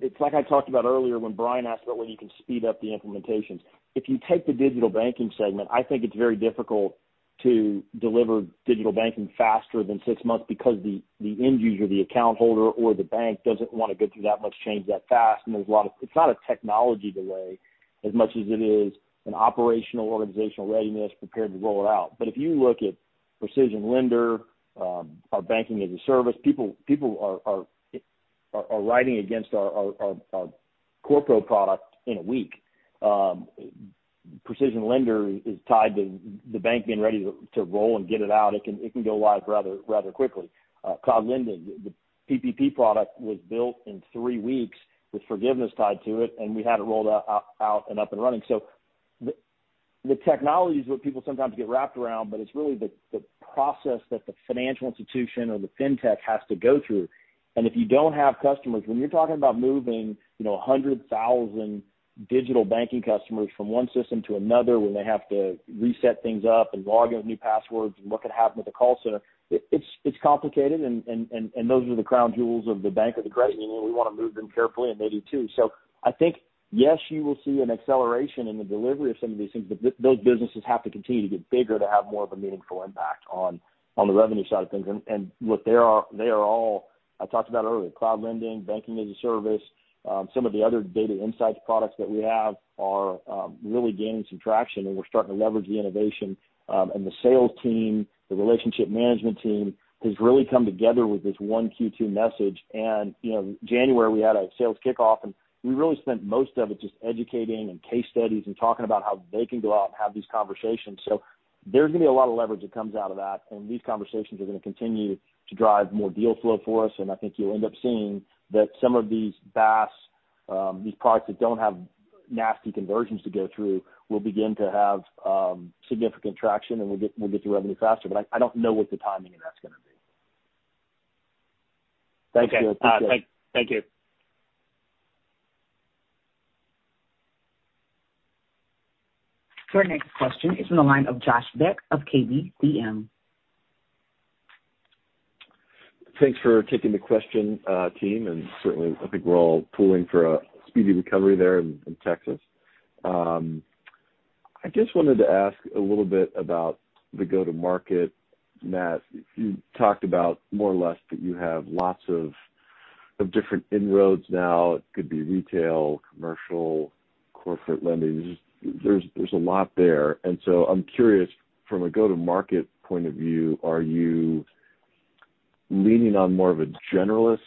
it's like I talked about earlier when Brian asked about when you can speed up the implementations. If you take the digital banking segment, I think it's very difficult to deliver digital banking faster than six months because the end user, the account holder, or the bank doesn't want to go through that much change that fast. It's not a technology delay as much as it is an operational organizational readiness prepared to roll it out. If you look at PrecisionLender, our banking-as-a-service, people are writing against our corporate product in a week. PrecisionLender is tied to the bank being ready to roll and get it out. It can go live rather quickly. Cloud Lending, the PPP product was built in three weeks with forgiveness tied to it, and we had it rolled out and up and running. The technology is what people sometimes get wrapped around, but it's really the process that the financial institution or the fintech has to go through. If you don't have customers, when you're talking about moving 100,000 digital banking customers from one system to another, where they have to reset things up and log in with new passwords and look what happened at the call center, it's complicated, and those are the crown jewels of the bank or the credit union. We want to move them carefully, and they do too. I think, yes, you will see an acceleration in the delivery of some of these things, but those businesses have to continue to get bigger to have more of a meaningful impact on the revenue side of things. They are all, I talked about earlier, Cloud Lending, banking-as-a-service. Some of the other data insights products that we have are really gaining some traction, and we're starting to leverage the innovation. The sales team, the relationship management team, has really come together with this one Q2 message. January, we had a sales kickoff, and we really spent most of it just educating and case studies and talking about how they can go out and have these conversations. There's going to be a lot of leverage that comes out of that, and these conversations are going to continue to drive more deal flow for us. I think you'll end up seeing that some of these BaaS, these products that don't have nasty conversions to go through, will begin to have significant traction, and we'll get to revenue faster. I don't know what the timing of that's going to be. Thanks, Joe. I appreciate it. Okay. Thank you. Your next question is from the line of Josh Beck of KBCM. Thanks for taking the question, team. Certainly, I think we're all pulling for a speedy recovery there in Texas. I just wanted to ask a little bit about the go-to-market. Matt, you talked about more or less that you have lots of different inroads now. It could be retail, commercial, corporate lending. There's a lot there. I'm curious, from a go-to-market point of view, are you leaning on more of a generalist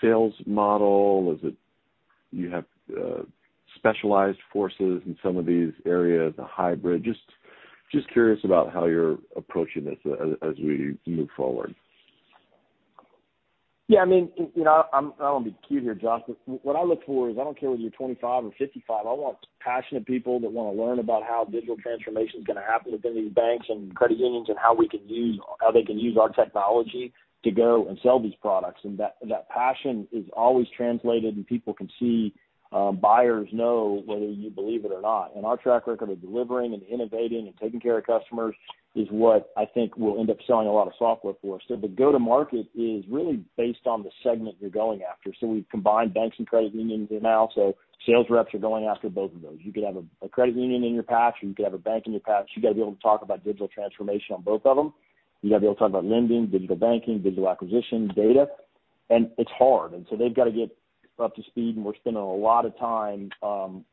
sales model? You have specialized forces in some of these areas, a hybrid. Just curious about how you're approaching this as we move forward. Yeah. I don't want to be cute here, Josh, but what I look for is I don't care whether you're 25 or 55, I want passionate people that want to learn about how digital transformation is going to happen within these banks and credit unions, and how they can use our technology to go and sell these products. That passion is always translated and people can see, buyers know, whether you believe it or not. Our track record of delivering and innovating and taking care of customers is what I think will end up selling a lot of software for us. The go-to-market is really based on the segment you're going after. We've combined banks and credit unions now, so sales reps are going after both of those. You could have a credit union in your patch, or you could have a bank in your patch. You got to be able to talk about digital transformation on both of them. You got to be able to talk about lending, digital banking, digital acquisition, data, and it's hard. They've got to get up to speed, and we're spending a lot of time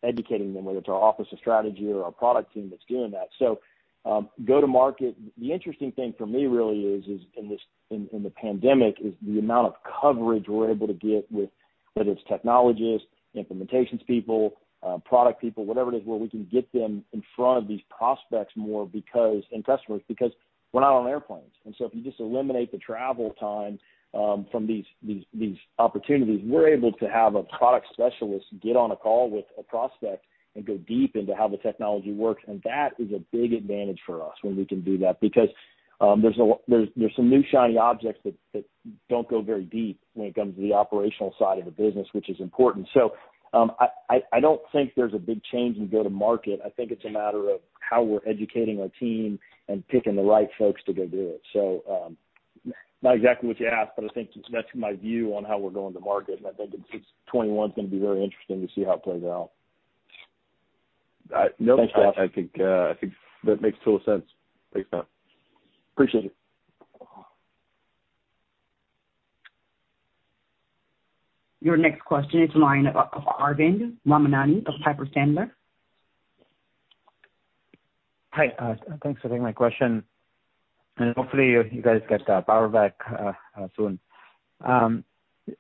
educating them, whether it's our office of strategy or our product team that's doing that. Go-to-market. The interesting thing for me really is in the pandemic is the amount of coverage we're able to get with whether it's technologists, implementations people, product people, whatever it is, where we can get them in front of these prospects more and customers because we're not on airplanes. If you just eliminate the travel time from these opportunities, we're able to have a product specialist get on a call with a prospect and go deep into how the technology works. That is a big advantage for us when we can do that because there's some new shiny objects that don't go very deep when it comes to the operational side of the business, which is important. I don't think there's a big change in go-to-market. I think it's a matter of how we're educating our team and picking the right folks to go do it. Not exactly what you asked, but I think that's my view on how we're going to market. I think 2021 is going to be very interesting to see how it plays out. No. Thanks, Josh. I think that makes total sense. Thanks, man. Appreciate it. Your next question is line of Arvind Ramnani of Piper Sandler. Thanks for taking my question. Hopefully you guys get the power back soon.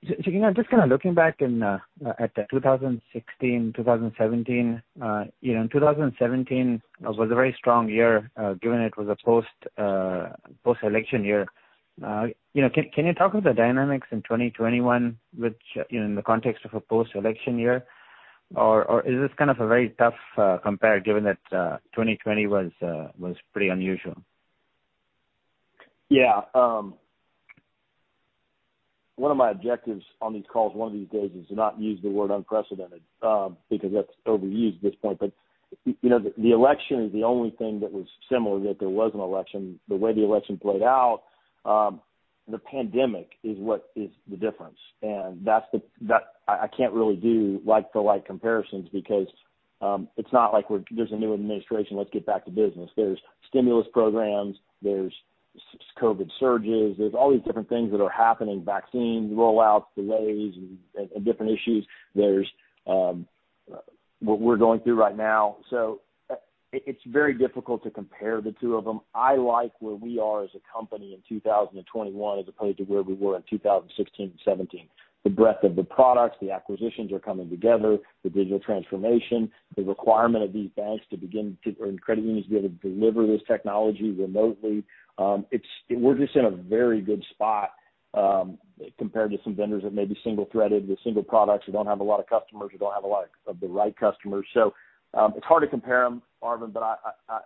Just kind of looking back at the 2016, 2017. 2017 was a very strong year, given it was a post-election year. Can you talk about the dynamics in 2021 in the context of a post-election year? Is this kind of a very tough compare given that 2020 was pretty unusual? One of my objectives on these calls one of these days is to not use the word unprecedented because that's overused at this point. The election is the only thing that was similar, that there was an election. The way the election played out, the pandemic is what is the difference. I can't really do like-for-like comparisons because it's not like there's a new administration, let's get back to business. There's stimulus programs, there's COVID surges, there's all these different things that are happening. Vaccine rollouts, delays, and different issues. There's what we're going through right now. It's very difficult to compare the two of them. I like where we are as a company in 2021 as opposed to where we were in 2016 and 2017. The breadth of the products, the acquisitions are coming together, the digital transformation, the requirement of these banks and credit unions to be able to deliver this technology remotely. We're just in a very good spot compared to some vendors that may be single-threaded with single products who don't have a lot of customers, who don't have a lot of the right customers. It's hard to compare them, Arvind, but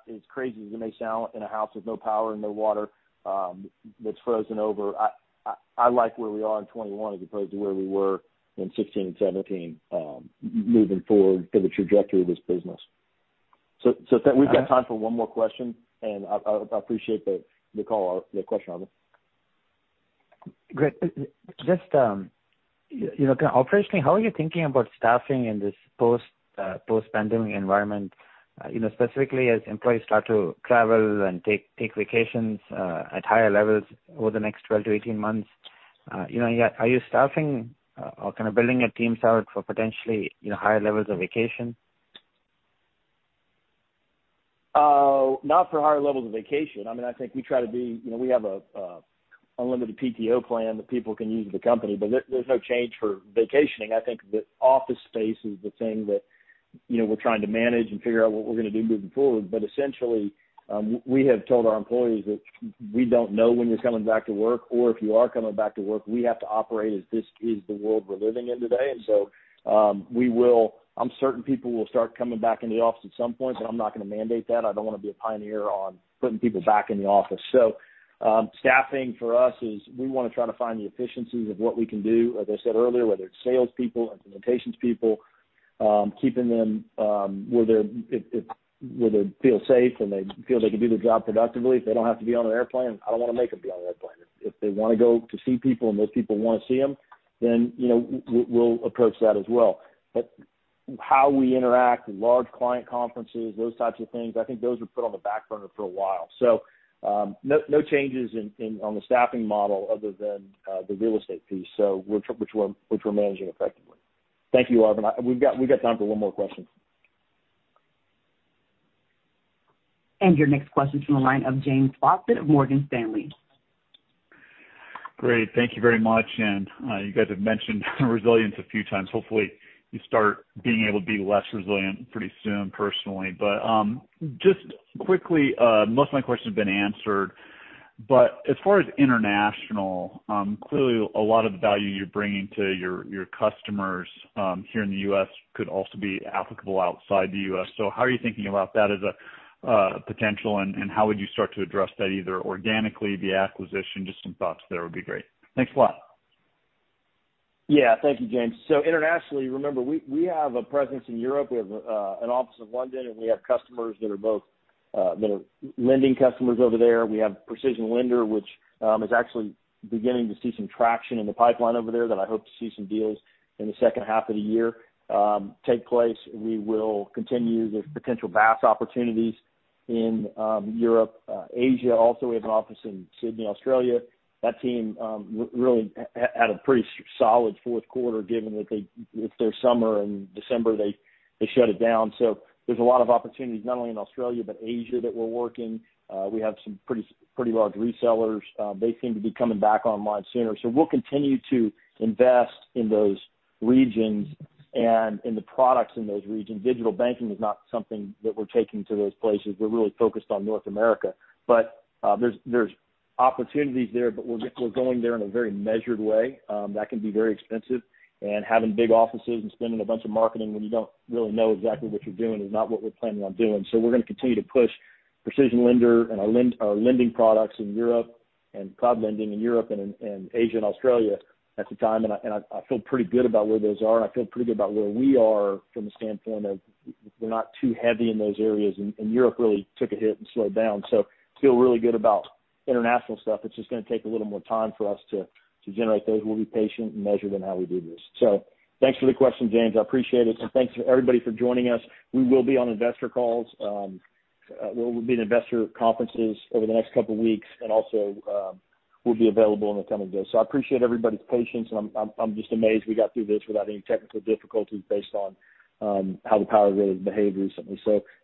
as crazy as it may sound, in a house with no power and no water that's frozen over, I like where we are in 2021 as opposed to where we were in 2016 and 2017 moving forward for the trajectory of this business. We've got time for one more question, and I appreciate the call, the question, Arvind. Great. Just operationally, how are you thinking about staffing in this post-pandemic environment? Specifically as employees start to travel and take vacations at higher levels over the next 12-18 months. Are you staffing or kind of building your teams out for potentially higher levels of vacation? Not for higher levels of vacation. I think we have an unlimited PTO plan that people can use at the company, but there's no change for vacationing. I think the office space is the thing that we're trying to manage and figure out what we're going to do moving forward. Essentially, we have told our employees that we don't know when you're coming back to work or if you are coming back to work. We have to operate as this is the world we're living in today. I'm certain people will start coming back in the office at some point. I'm not going to mandate that. I don't want to be a pioneer on putting people back in the office. Staffing for us is we want to try to find the efficiencies of what we can do, as I said earlier, whether it's salespeople, implementations people, keeping them where they feel safe and they feel they can do their job productively. If they don't have to be on an airplane, I don't want to make them be on an airplane. If they want to go to see people and those people want to see them, we'll approach that as well. How we interact with large client conferences, those types of things, I think those are put on the back burner for a while. No changes on the staffing model other than the real estate piece, which we're managing effectively. Thank you, Arvind. We've got time for one more question. Your next question's from the line of James Faucette of Morgan Stanley. Great. Thank you very much. You guys have mentioned resilience a few times. Hopefully, you start being able to be less resilient pretty soon, personally. Just quickly, most of my questions have been answered. As far as international, clearly a lot of the value you're bringing to your customers here in the U.S. could also be applicable outside the U.S. How are you thinking about that as a potential, and how would you start to address that, either organically, via acquisition? Just some thoughts there would be great. Thanks a lot. Thank you, James. Internationally, remember, we have a presence in Europe. We have an office in London, and we have customers that are lending customers over there. We have PrecisionLender, which is actually beginning to see some traction in the pipeline over there that I hope to see some deals in the second half of the year take place. We will continue. There's potential BaaS opportunities in Europe. Asia, also, we have an office in Sydney, Australia. That team really had a pretty solid fourth quarter, given that it's their summer, in December, they shut it down. There's a lot of opportunities, not only in Australia, but Asia that we're working. We have some pretty large resellers. They seem to be coming back online sooner. We'll continue to invest in those regions and in the products in those regions. Digital banking is not something that we're taking to those places. We're really focused on North America. There's opportunities there, but we're going there in a very measured way. That can be very expensive, and having big offices and spending a bunch of marketing when you don't really know exactly what you're doing is not what we're planning on doing. We're going to continue to push PrecisionLender and our lending products in Europe, and Cloud Lending in Europe and Asia and Australia at the time. I feel pretty good about where those are. I feel pretty good about where we are from the standpoint of we're not too heavy in those areas. Europe really took a hit and slowed down. Feel really good about international stuff. It's just going to take a little more time for us to generate those. We'll be patient and measured in how we do this. Thanks for the question, James. I appreciate it. Thanks, everybody, for joining us. We will be on investor calls. We'll be in investor conferences over the next couple of weeks, and also we'll be available in a ton of days. I appreciate everybody's patience, and I'm just amazed we got through this without any technical difficulties based on how the power grid has behaved recently.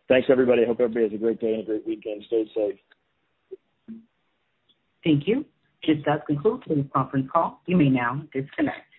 Thanks, everybody. Hope everybody has a great day and a great weekend. Stay safe. Thank you. This does conclude today's conference call. You may now disconnect.